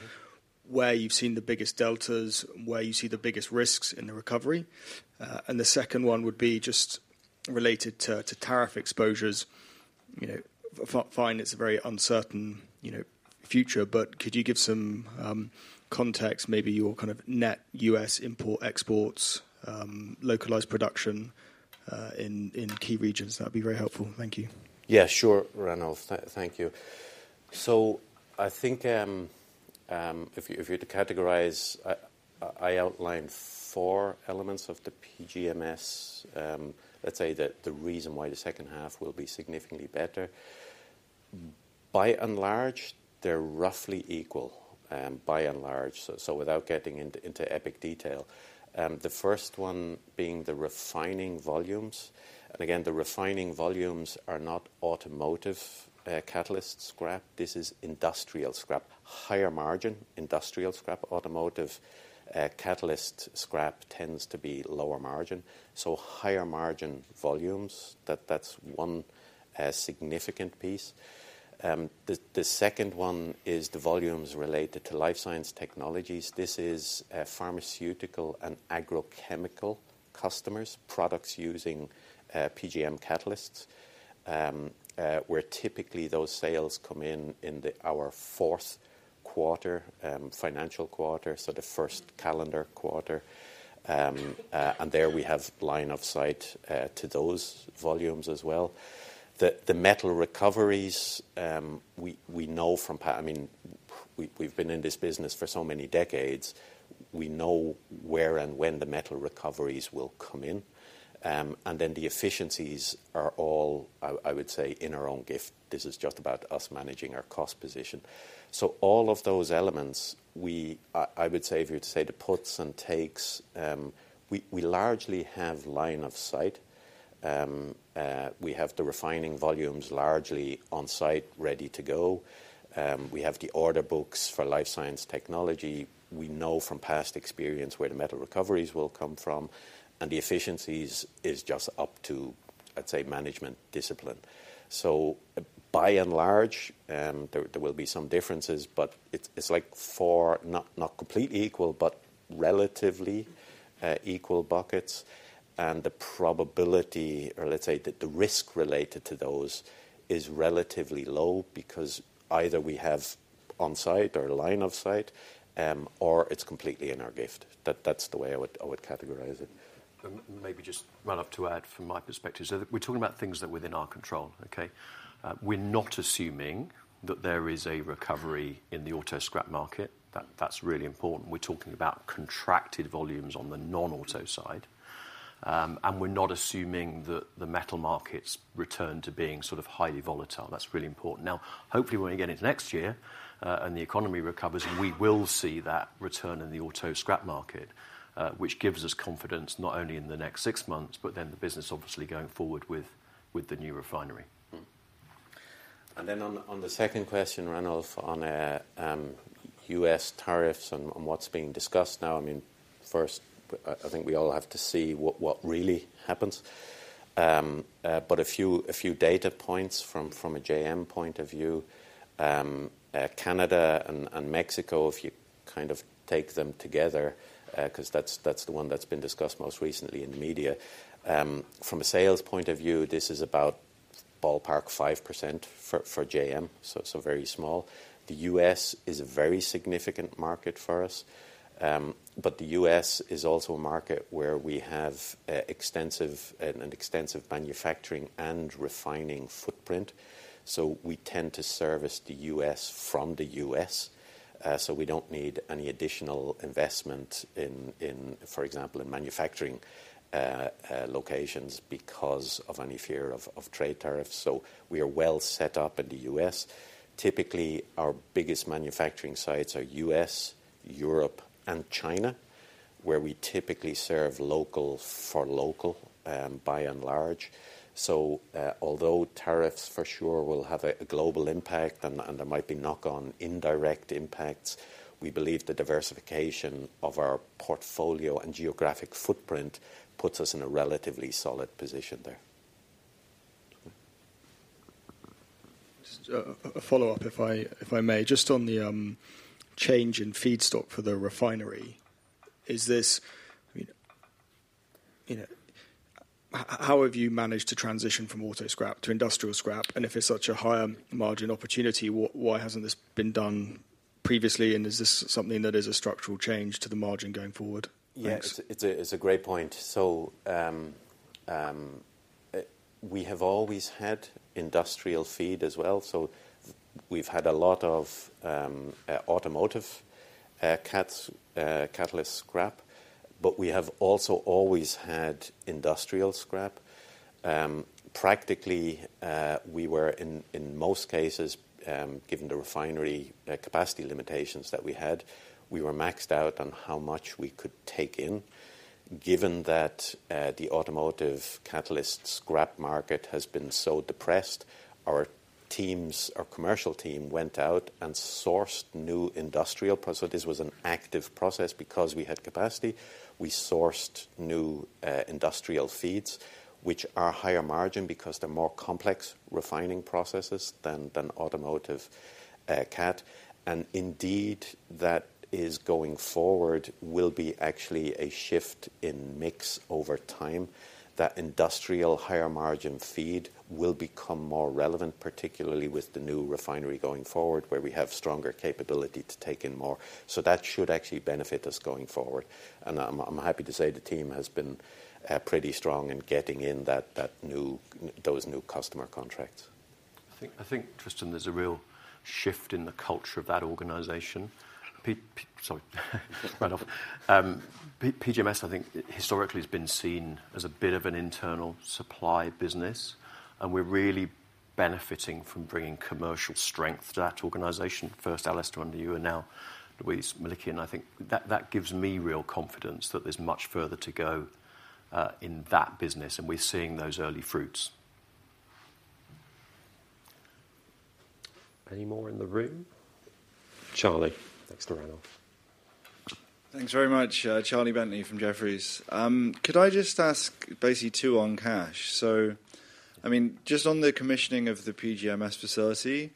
where you've seen the biggest deltas and where you see the biggest risks in the recovery? And the second one would be just related to tariff exposures. You know, fine, it's a very uncertain, you know, future, but could you give some context, maybe your kind of net U.S. import, exports, localized production in key regions? That'd be very helpful. Thank you.
Yeah, sure. Ranulf, thank you. So I think if you had to categorize, I outlined four elements of the PGMS. Let's say that the reason why the second half will be significantly better, by and large, they're roughly equal by and large. So without getting into epic detail, the first one being the refining volumes. And again, the refining volumes are not automotive catalyst scrap. This is industrial scrap. Higher margin industrial scrap, automotive catalyst scrap tends to be lower margin. So higher margin volumes, that's one significant piece. The second one is the volumes related to life science technologies. This is pharmaceutical and agrochemical customers' products using PGM catalysts, where typically those sales come in our fourth quarter, financial quarter. So the first calendar quarter. And there we have line of sight to those volumes as well. The metal recoveries, we know from, I mean, we've been in this business for so many decades. We know where and when the metal recoveries will come in. And then the efficiencies are all, I would say, in our own gift. This is just about us managing our cost position. So all of those elements, we, I would say if you were to say the puts and takes, we largely have line of sight. We have the refining volumes largely on site ready to go. We have the order books for life science technology. We know from past experience where the metal recoveries will come from. And the efficiencies is just up to, I'd say, management discipline. So by and large, there will be some differences, but it's like four, not completely equal, but relatively equal buckets. The probability, or let's say that the risk related to those is relatively low because either we have on site or line of sight, or it's completely in our gift. That's the way I would categorize it.
And maybe just run up to add from my perspective. We're talking about things that are within our control. Okay. We're not assuming that there is a recovery in the auto scrap market. That's really important. We're talking about contracted volumes on the non-auto side. And we're not assuming that the metal markets return to being sort of highly volatile. That's really important. Now, hopefully when we get into next year and the economy recovers, we will see that return in the auto scrap market, which gives us confidence not only in the next six months, but then the business obviously going forward with the new refinery,
And then on the second question, Ranulf, on U.S. tariffs and what's being discussed now, I mean, first, I think we all have to see what really happens, but a few data points from a JM point of view, Canada and Mexico, if you kind of take them together, because that's the one that's been discussed most recently in the media, from a sales point of view, this is about ballpark 5% for JM, so very small. The U.S. is a very significant market for us. But the U.S. is also a market where we have extensive manufacturing and refining footprint. So we tend to service the U.S. from the U.S. So we don't need any additional investment in, for example, in manufacturing locations because of any fear of trade tariffs. So we are well set up in the U.S. Typically, our biggest manufacturing sites are U.S., Europe, and China, where we typically serve local for local by and large. So although tariffs for sure will have a global impact and there might be knock-on indirect impacts, we believe the diversification of our portfolio and geographic footprint puts us in a relatively solid position there.
Just a follow-up, if I may, just on the change in feedstock for the refinery, is this, I mean, you know, how have you managed to transition from auto scrap to industrial scrap? And if it's such a high margin opportunity, why, why hasn't this been done previously? And is this something that is a structural change to the margin going forward?
Yes. It's a, it's a great point. So we have always had industrial feed as well. So we've had a lot of automotive catalyst scrap, but we have also always had industrial scrap. Practically, we were in, in most cases, given the refinery capacity limitations that we had, we were maxed out on how much we could take in. Given that the automotive catalyst scrap market has been so depressed, our teams, our commercial team went out and sourced new industrial process. So this was an active process because we had capacity. We sourced new industrial feeds, which are higher margin because they're more complex refining processes than, than automotive cat. And indeed, that is going forward will be actually a shift in mix over time. That industrial higher margin feed will become more relevant, particularly with the new refinery going forward, where we have stronger capability to take in more. So that should actually benefit us going forward. And I'm happy to say the team has been pretty strong in getting in that new, those new customer contracts.
I think, Tristan, there's a real shift in the culture of that organization. Sorry, Ranulf. PGMS, I think historically has been seen as a bit of an internal supply business, and we're really benefiting from bringing commercial strength to that organization. First, Alastair under you, and now Louise Melikian. I think that gives me real confidence that there's much further to go in that business, and we're seeing those early fruits.
Any more in the room?
Charlie, next to Ranulf. Thanks very much. Charlie Bentley from Jefferies. Could I just ask basically two on cash? So, I mean, just on the commissioning of the PGMS facility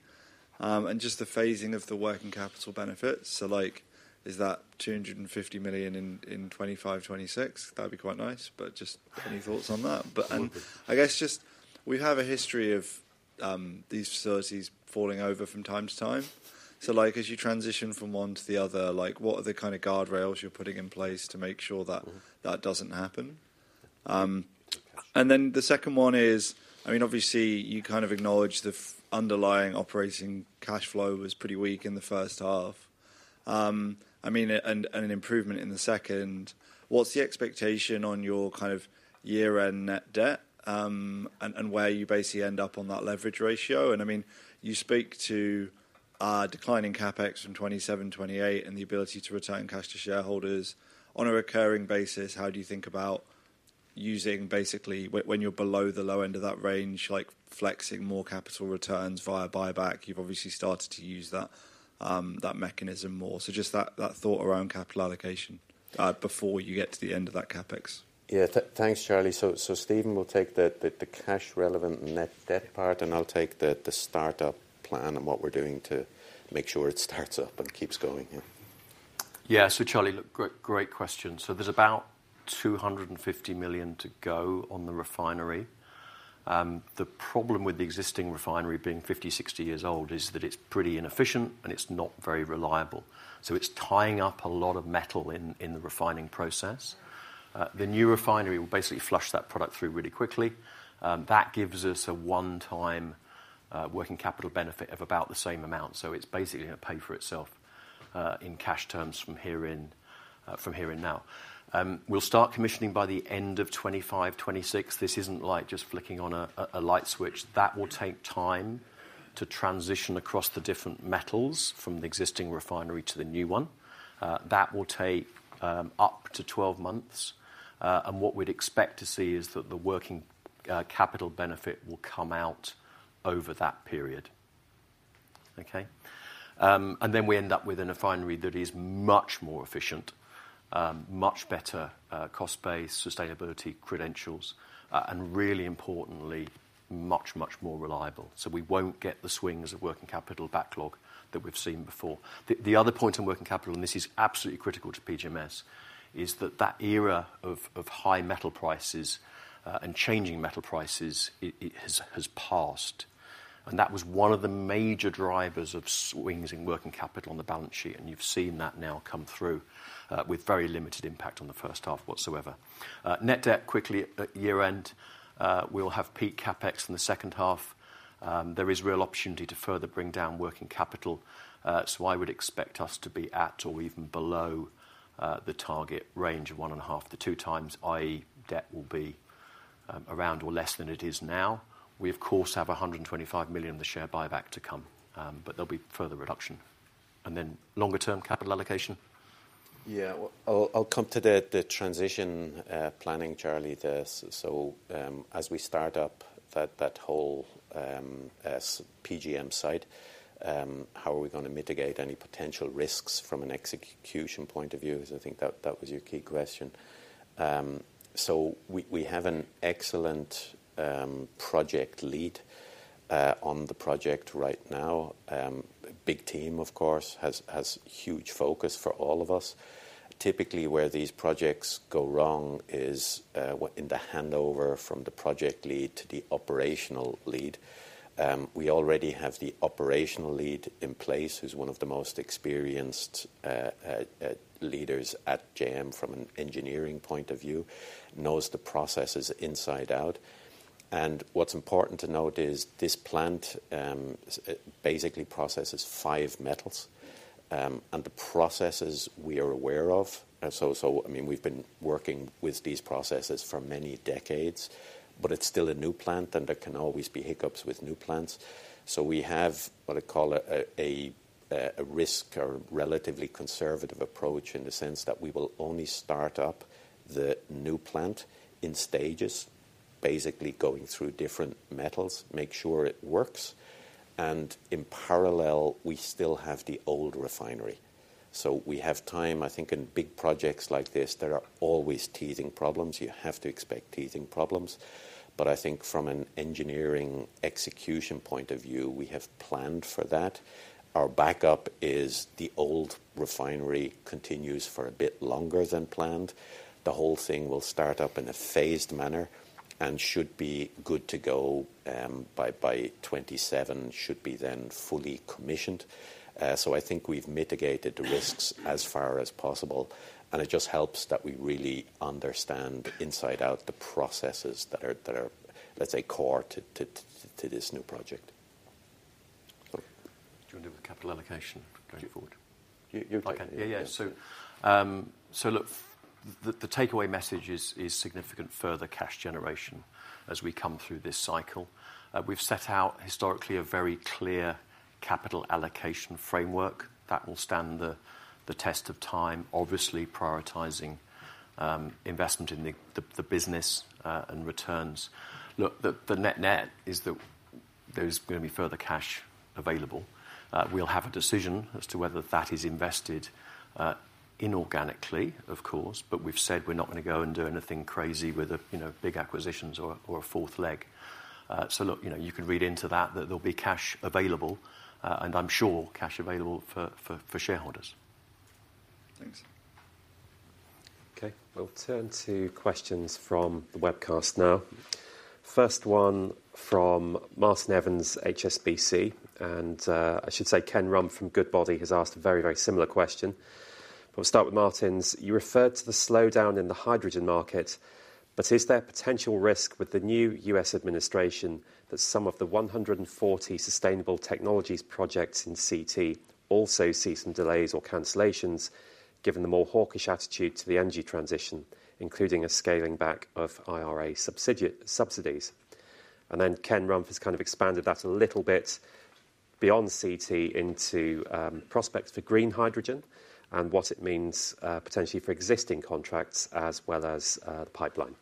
and just the phasing of the working capital benefits. So like, is that 250 million in 2025, 2026? That'd be quite nice. But just any thoughts on that? But I guess just we have a history of these facilities falling over from time to time. So like, as you transition from one to the other, like, what are the kind of guardrails you're putting in place to make sure that that doesn't happen? And then the second one is, I mean, obviously you kind of acknowledge the underlying operating cash flow was pretty weak in the first half. I mean, and an improvement in the second. What's the expectation on your kind of year-end net debt and where you basically end up on that leverage ratio? And I mean, you speak to declining CapEx from 2027, 2028 and the ability to return cash to shareholders on a recurring basis. How do you think about using basically when you're below the low end of that range, like flexing more capital returns via buyback? You've obviously started to use that mechanism more. So just that thought around capital allocation before you get to the end of that CapEx.
Yeah. Thanks, Charlie. So Stephen will take the cash relevant net debt part, and I'll take the startup plan and what we're doing to make sure it starts up and keeps going.
Yeah. Yeah. So, Charlie, look, great question. So there's about 250 million to go on the refinery. The problem with the existing refinery being 50-60 years old is that it's pretty inefficient and it's not very reliable. So it's tying up a lot of metal in the refining process. The new refinery will basically flush that product through really quickly. That gives us a one-time working capital benefit of about the same amount. So it's basically going to pay for itself in cash terms from here in now. We'll start commissioning by the end of 2025, 2026. This isn't like just flicking on a light switch. That will take time to transition across the different metals from the existing refinery to the new one. That will take up to 12 months, and what we'd expect to see is that the working capital benefit will come out over that period. Okay. And then we end up with a refinery that is much more efficient, much better cost-based, sustainability credentials, and really importantly, much, much more reliable. So we won't get the swings of working capital backlog that we've seen before. The other point on working capital, and this is absolutely critical to PGMS, is that that era of high metal prices and changing metal prices has passed. And that was one of the major drivers of swings in working capital on the balance sheet. And you've seen that now come through with very limited impact on the first half whatsoever. Net debt quickly at year-end. We'll have peak CapEx in the second half. There is real opportunity to further bring down working capital. So I would expect us to be at or even below the target range of one and a half to two times, i.e. Debt will be around or less than it is now. We, of course, have 125 million in the share buyback to come, but there'll be further reduction. And then longer-term capital allocation.
Yeah. I'll, I'll come to the, the transition planning, Charlie, this. So as we start up that, that whole PGM side, how are we going to mitigate any potential risks from an execution point of view? So I think that, that was your key question. So we, we have an excellent project lead on the project right now. Big team, of course, has, has huge focus for all of us. Typically, where these projects go wrong is in the handover from the project lead to the operational lead. We already have the operational lead in place, who's one of the most experienced leaders at JM from an engineering point of view, knows the processes inside out. What's important to note is this plant basically processes five metals. The processes we are aware of, I mean, we've been working with these processes for many decades, but it's still a new plant and there can always be hiccups with new plants. We have what I call a risk or relatively conservative approach in the sense that we will only start up the new plant in stages, basically going through different metals, make sure it works. In parallel, we still have the old refinery. We have time. I think in big projects like this, there are always teething problems. You have to expect teething problems. I think from an engineering execution point of view, we have planned for that. Our backup is the old refinery continues for a bit longer than planned. The whole thing will start up in a phased manner and should be good to go by 2027, should be then fully commissioned. So I think we've mitigated the risks as far as possible. It just helps that we really understand inside out the processes that are, let's say, core to this new project.
Do you want to do with capital allocation going forward? You're good.
Okay. Yeah. Yeah. So look, the takeaway message is significant further cash generation as we come through this cycle. We've set out historically a very clear capital allocation framework that will stand the test of time, obviously prioritizing investment in the business and returns. Look, the net net is that there's going to be further cash available. We'll have a decision as to whether that is invested inorganically, of course, but we've said we're not going to go and do anything crazy with a, you know, big acquisitions or a fourth leg. So look, you know, you could read into that that there'll be cash available and I'm sure cash available for shareholders.
Thanks. Okay.
We'll turn to questions from the webcast now. First one from Martin Evans, HSBC. And I should say Ken Rumph from Goodbody has asked a very, very similar question. But we'll start with Martin's. You referred to the slowdown in the hydrogen market, but is there potential risk with the new U.S. administration that some of the 140 sustainable technologies projects in CT also see some delays or cancellations given the more hawkish attitude to the energy transition, including a scaling back of IRA subsidies? And then Ken Rumph has kind of expanded that a little bit beyond CT into prospects for green hydrogen and what it means potentially for existing contracts as well as the pipeline.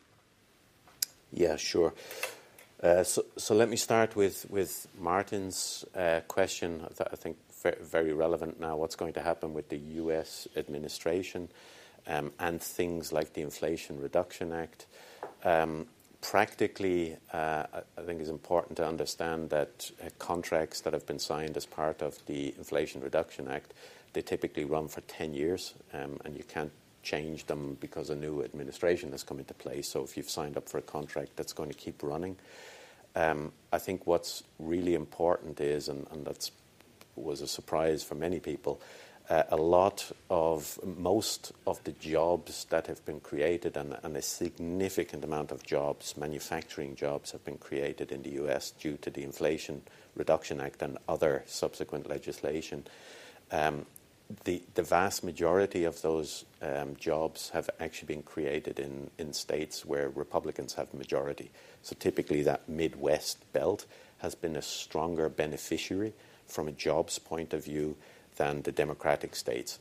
Yeah. Sure. So, so let me start with, with Martin's question that I think very relevant now, what's going to happen with the U.S. administration and things like the Inflation Reduction Act. Practically, I think it's important to understand that contracts that have been signed as part of the Inflation Reduction Act, they typically run for 10 years and you can't change them because a new administration has come into place. So if you've signed up for a contract, that's going to keep running. I think what's really important is, and that was a surprise for many people, a lot of, most of the jobs that have been created and a significant amount of jobs, manufacturing jobs have been created in the U.S. due to the Inflation Reduction Act and other subsequent legislation. The vast majority of those jobs have actually been created in states where Republicans have majority, so typically that Midwest belt has been a stronger beneficiary from a jobs point of view than the Democratic states,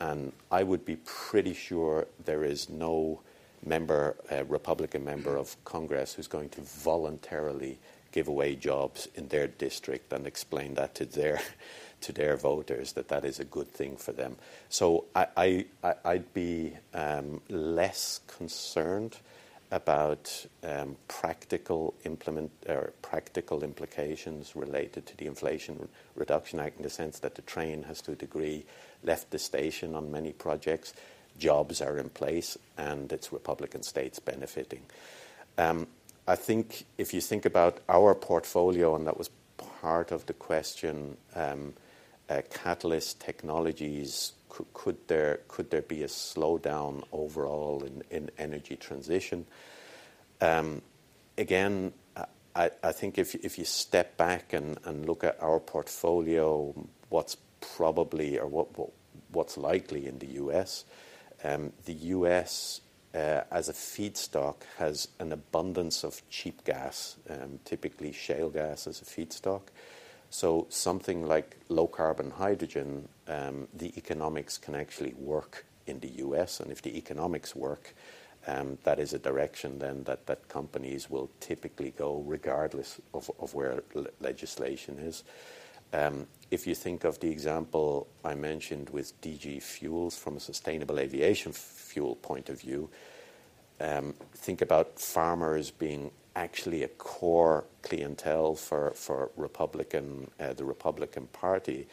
and I would be pretty sure there is no member, Republican member of Congress who's going to voluntarily give away jobs in their district and explain that to their voters that that is a good thing for them. I'd be less concerned about practical implementation or practical implications related to the Inflation Reduction Act in the sense that the train has, to a degree, left the station on many projects. Jobs are in place and it's Republican states benefiting. I think if you think about our portfolio, and that was part of the question, Catalyst Technologies, could there be a slowdown overall in energy transition? Again, I think if you step back and look at our portfolio, what's probably or what's likely in the U.S. as a feedstock has an abundance of cheap gas, typically shale gas as a feedstock. So something like low carbon hydrogen, the economics can actually work in the U.S. If the economics work, that is a direction that companies will typically go regardless of where legislation is. If you think of the example I mentioned with DG Fuels from a sustainable aviation fuel point of view, think about farmers being actually a core clientele for the Republican Party.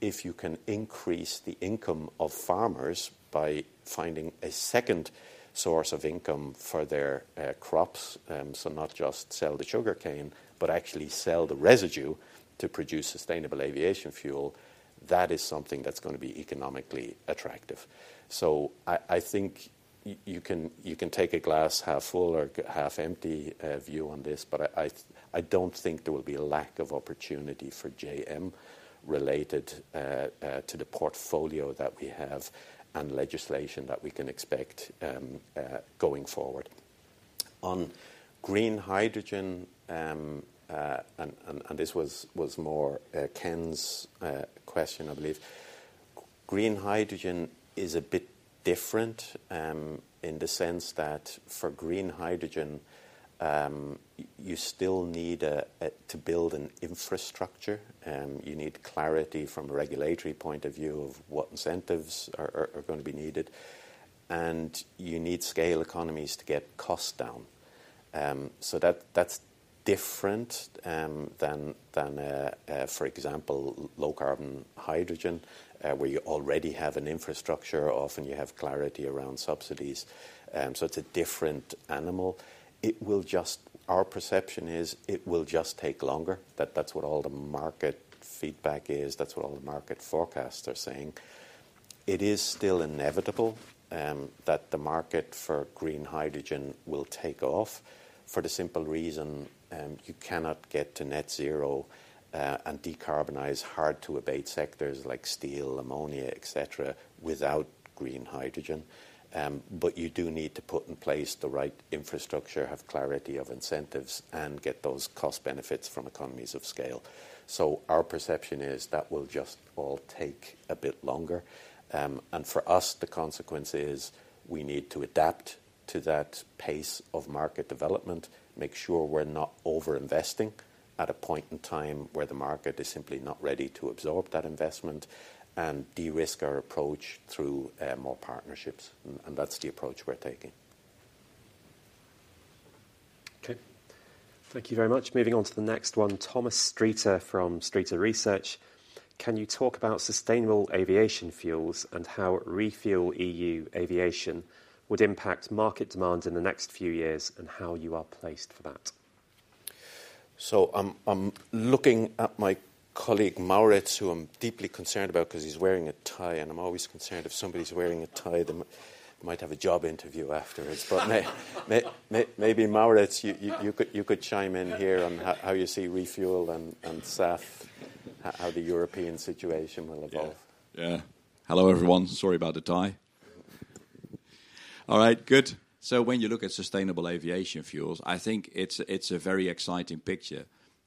If you can increase the income of farmers by finding a second source of income for their crops, so not just sell the sugar cane, but actually sell the residue to produce sustainable aviation fuel, that is something that's going to be economically attractive. I think you can take a glass half full or half empty view on this, but I don't think there will be a lack of opportunity for JM related to the portfolio that we have and legislation that we can expect going forward. On green hydrogen, and this was more Ken's question, I believe. Green hydrogen is a bit different in the sense that for green hydrogen, you still need to build an infrastructure. You need clarity from a regulatory point of view of what incentives are going to be needed. And you need scale economies to get costs down. So that's different than for example, low carbon hydrogen, where you already have an infrastructure, often you have clarity around subsidies. So it's a different animal. Our perception is it will just take longer. That's what all the market feedback is. That's what all the market forecasts are saying. It is still inevitable that the market for green hydrogen will take off for the simple reason you cannot get to net zero and decarbonize hard to abate sectors like steel, ammonia, et cetera, without green hydrogen. But you do need to put in place the right infrastructure, have clarity of incentives, and get those cost benefits from economies of scale. So our perception is that will just all take a bit longer. And for us, the consequence is we need to adapt to that pace of market development, make sure we're not overinvesting at a point in time where the market is simply not ready to absorb that investment and de-risk our approach through more partnerships. And that's the approach we're taking.
Okay. Thank you very much. Moving on to the next one, Thomas Striter from Striter Research. Can you talk about sustainable aviation fuels and how ReFuelEU Aviation would impact market demand in the next few years and how you are placed for that?
So I'm looking at my colleague Maurits, who I'm deeply concerned about because he's wearing a tie, and I'm always concerned if somebody's wearing a tie, they might have a job interview afterwards. But maybe Maurits, you could chime in here on how you see ReFuelEU and SAF, how the European situation will evolve.
Yeah. Hello everyone. Sorry about the tie. All right. Good. So when you look at sustainable aviation fuels, I think it's a very exciting picture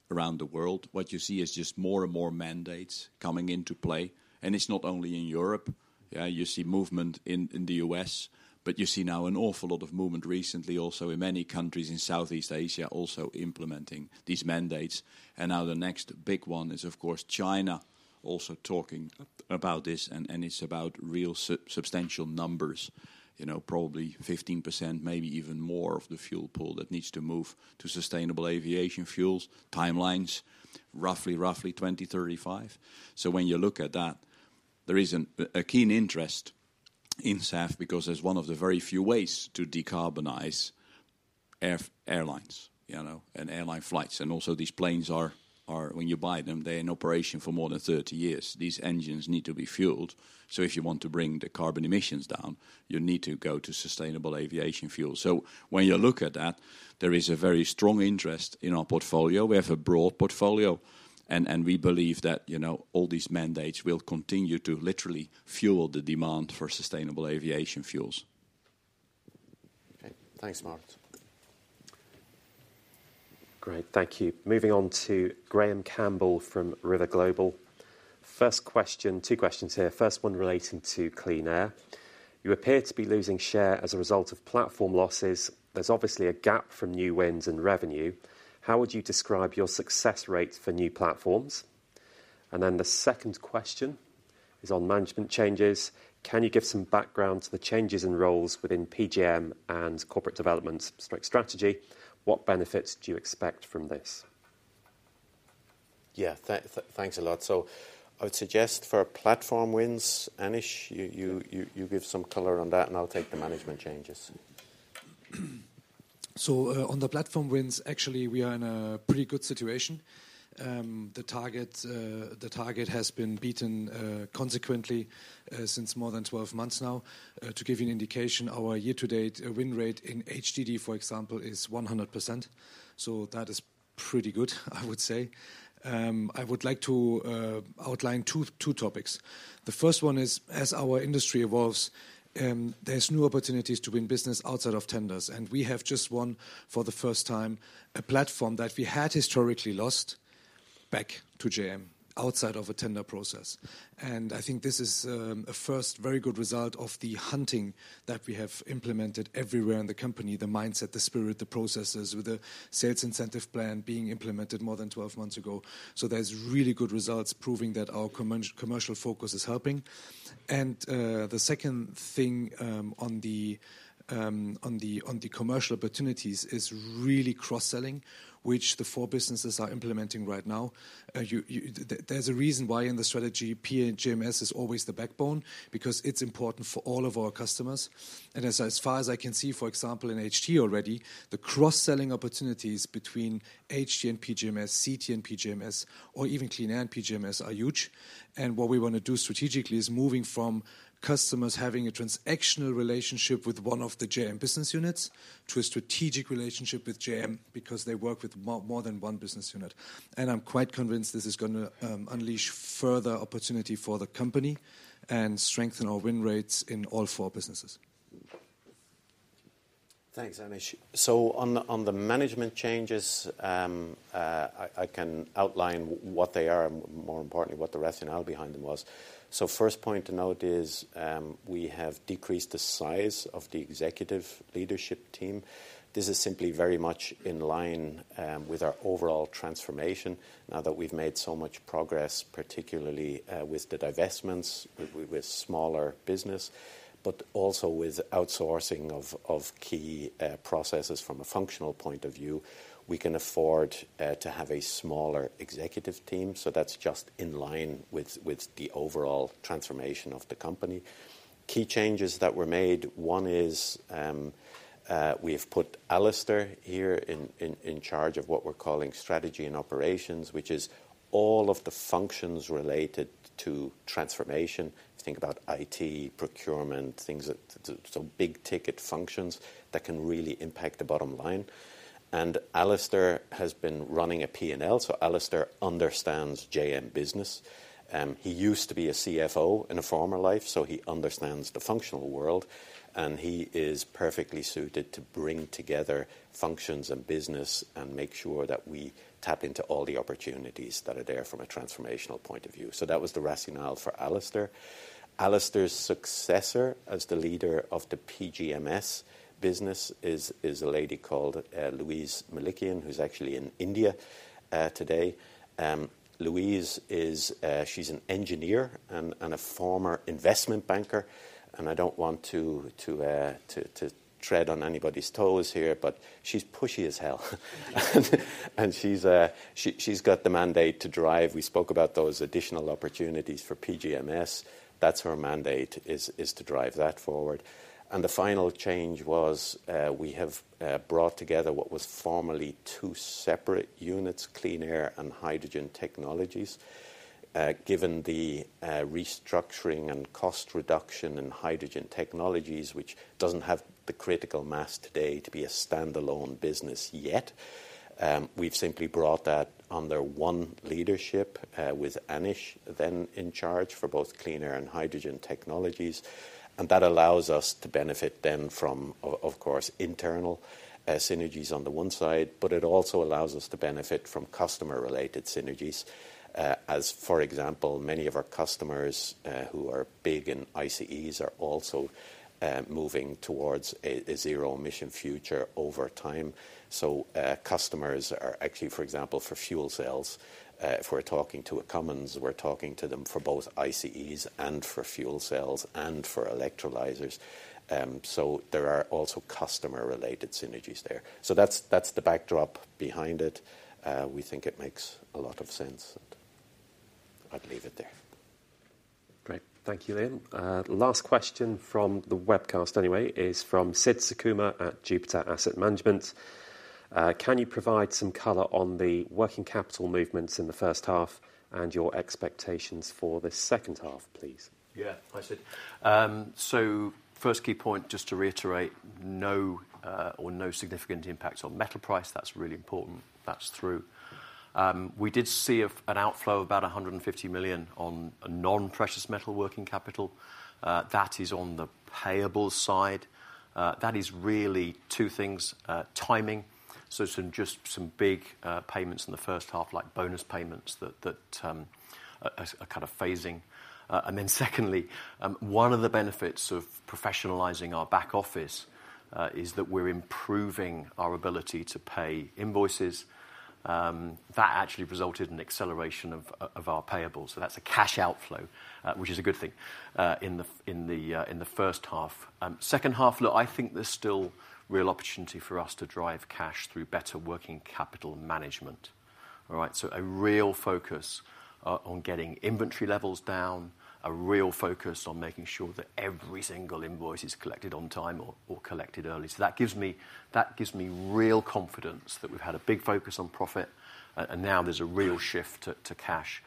around the world. What you see is just more and more mandates coming into play. And it's not only in Europe. Yeah. You see movement in the U.S., but you see now an awful lot of movement recently also in many countries in Southeast Asia also implementing these mandates. Now the next big one is, of course, China also talking about this. And it's about real substantial numbers, you know, probably 15%, maybe even more of the fuel pool that needs to move to sustainable aviation fuels timelines, roughly 2035. So when you look at that, there is a keen interest in SAF because as one of the very few ways to decarbonize airlines, you know, and airline flights. Also these planes are when you buy them, they're in operation for more than 30 years. These engines need to be fueled. So if you want to bring the carbon emissions down, you need to go to sustainable aviation fuels. So when you look at that, there is a very strong interest in our portfolio. We have a broad portfolio and we believe that, you know, all these mandates will continue to literally fuel the demand for sustainable aviation fuels.
Okay. Thanks, Mark. Great. Thank you. Moving on to Graham Campbell from River Global. First question, two questions here. First one relating to clean air. You appear to be losing share as a result of platform losses. There's obviously a gap from new wins and revenue. How would you describe your success rate for new platforms? And then the second question is on management changes. Can you give some background to the changes in roles within PGM and Corporate Development Strategy? What benefits do you expect from this?
Yeah. Thanks a lot So I would suggest for platform wins, Anish, you give some color on that and I'll take the management changes.
So on the platform wins, actually we are in a pretty good situation. The target has been beaten consequently since more than 12 months now. To give you an indication, our year-to-date win rate in HDD, for example, is 100%. So that is pretty good, I would say. I would like to outline two topics. The first one is, as our industry evolves, there's new opportunities to win business outside of tenders. And we have just won for the first time a platform that we had historically lost back to JM outside of a tender process. I think this is a first very good result of the hunting that we have implemented everywhere in the company, the mindset, the spirit, the processes with the sales incentive plan being implemented more than 12 months ago. There's really good results proving that our commercial focus is helping. The second thing on the commercial opportunities is really cross-selling, which the four businesses are implementing right now. There's a reason why in the strategy, PGMS is always the backbone because it's important for all of our customers. As far as I can see, for example, in HT already, the cross-selling opportunities between HT and PGMS, CT and PGMS, or even Clean Air and PGMS are huge. And what we want to do strategically is moving from customers having a transactional relationship with one of the JM business units to a strategic relationship with JM because they work with more than one business unit. And I'm quite convinced this is going to unleash further opportunity for the company and strengthen our win rates in all four businesses.
Thanks, Anish. So, on the management changes, I can outline what they are and more importantly, what the rationale behind them was. So first point to note is we have decreased the size of the executive leadership team. This is simply very much in line with our overall transformation now that we've made so much progress, particularly with the divestments with smaller business, but also with outsourcing of key processes from a functional point of view, we can afford to have a smaller executive team. So that's just in line with the overall transformation of the company. Key changes that were made, one is we've put Alastair here in charge of what we're calling strategy and operations, which is all of the functions related to transformation. Think about IT procurement, things that so big ticket functions that can really impact the bottom line. And Alastair has been running a P&L. So Alastair understands JM business. He used to be a CFO in a former life, so he understands the functional world and he is perfectly suited to bring together functions and business and make sure that we tap into all the opportunities that are there from a transformational point of view. So that was the rationale for Alastair. Alastair's successor as the leader of the PGM Services business is a lady called Louise Melikian, who's actually in India today. Louise is. She's an engineer and a former investment banker. And I don't want to tread on anybody's toes here, but she's pushy as hell and she's got the mandate to drive. We spoke about those additional opportunities for PGMs. That's her mandate is to drive that forward. And the final change was we have brought together what was formerly two separate units, Clean Air and Hydrogen Technologies, given the restructuring and cost reduction in Hydrogen Technologies, which doesn't have the critical mass today to be a standalone business yet. We've simply brought that under one leadership with Anish then in charge for both Clean Air and Hydrogen Technologies. And that allows us to benefit then from, of course, internal synergies on the one side, but it also allows us to benefit from customer-related synergies. As for example, many of our customers who are big in ICEs are also moving towards a zero emission future over time. So customers are actually, for example, for fuel cells, if we're talking to a Cummins, we're talking to them for both ICEs and for fuel cells and for electrolyzers. So there are also customer-related synergies there. So that's the backdrop behind it. We think it makes a lot of sense. I'd leave it there.
Great. Thank you, Liam. Last question from the webcast anyway is from Sid Sakuma at Jupiter Asset Management. Can you provide some color on the working capital movements in the first half and your expectations for the second half, please?
Yeah, I see. So first key point, just to reiterate, no significant impact on metal price. That's really important. That's true. We did see an outflow of about 150 million on non-precious metal working capital. That is on the payable side. That is really two things, timing. So some big payments in the first half, like bonus payments that are kind of phasing. And then secondly, one of the benefits of professionalizing our back office is that we're improving our ability to pay invoices. That actually resulted in acceleration of our payables. So that's a cash outflow, which is a good thing in the first half. Second half, look, I think there's still real opportunity for us to drive cash through better working capital management. All right. So a real focus on getting inventory levels down, a real focus on making sure that every single invoice is collected on time or collected early. So that gives me, that gives me real confidence that we've had a big focus on profit and now there's a real shift to cash.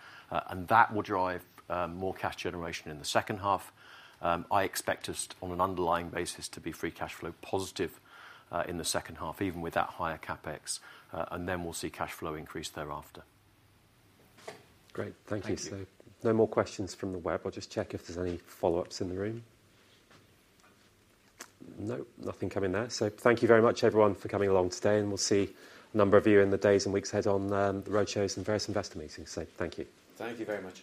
And that will drive more cash generation in the second half. I expect us on an underlying basis to be free cash flow positive in the second half, even with that higher CapEx. And then we'll see cash flow increase thereafter.
Great. Thank you. So no more questions from the web. I'll just check if there's any follow-ups in the room. No, nothing coming there. So thank you very much everyone for coming along today. And we'll see a number of you in the days and weeks ahead on the roadshows and various investor meetings. So thank you.
Thank you very much.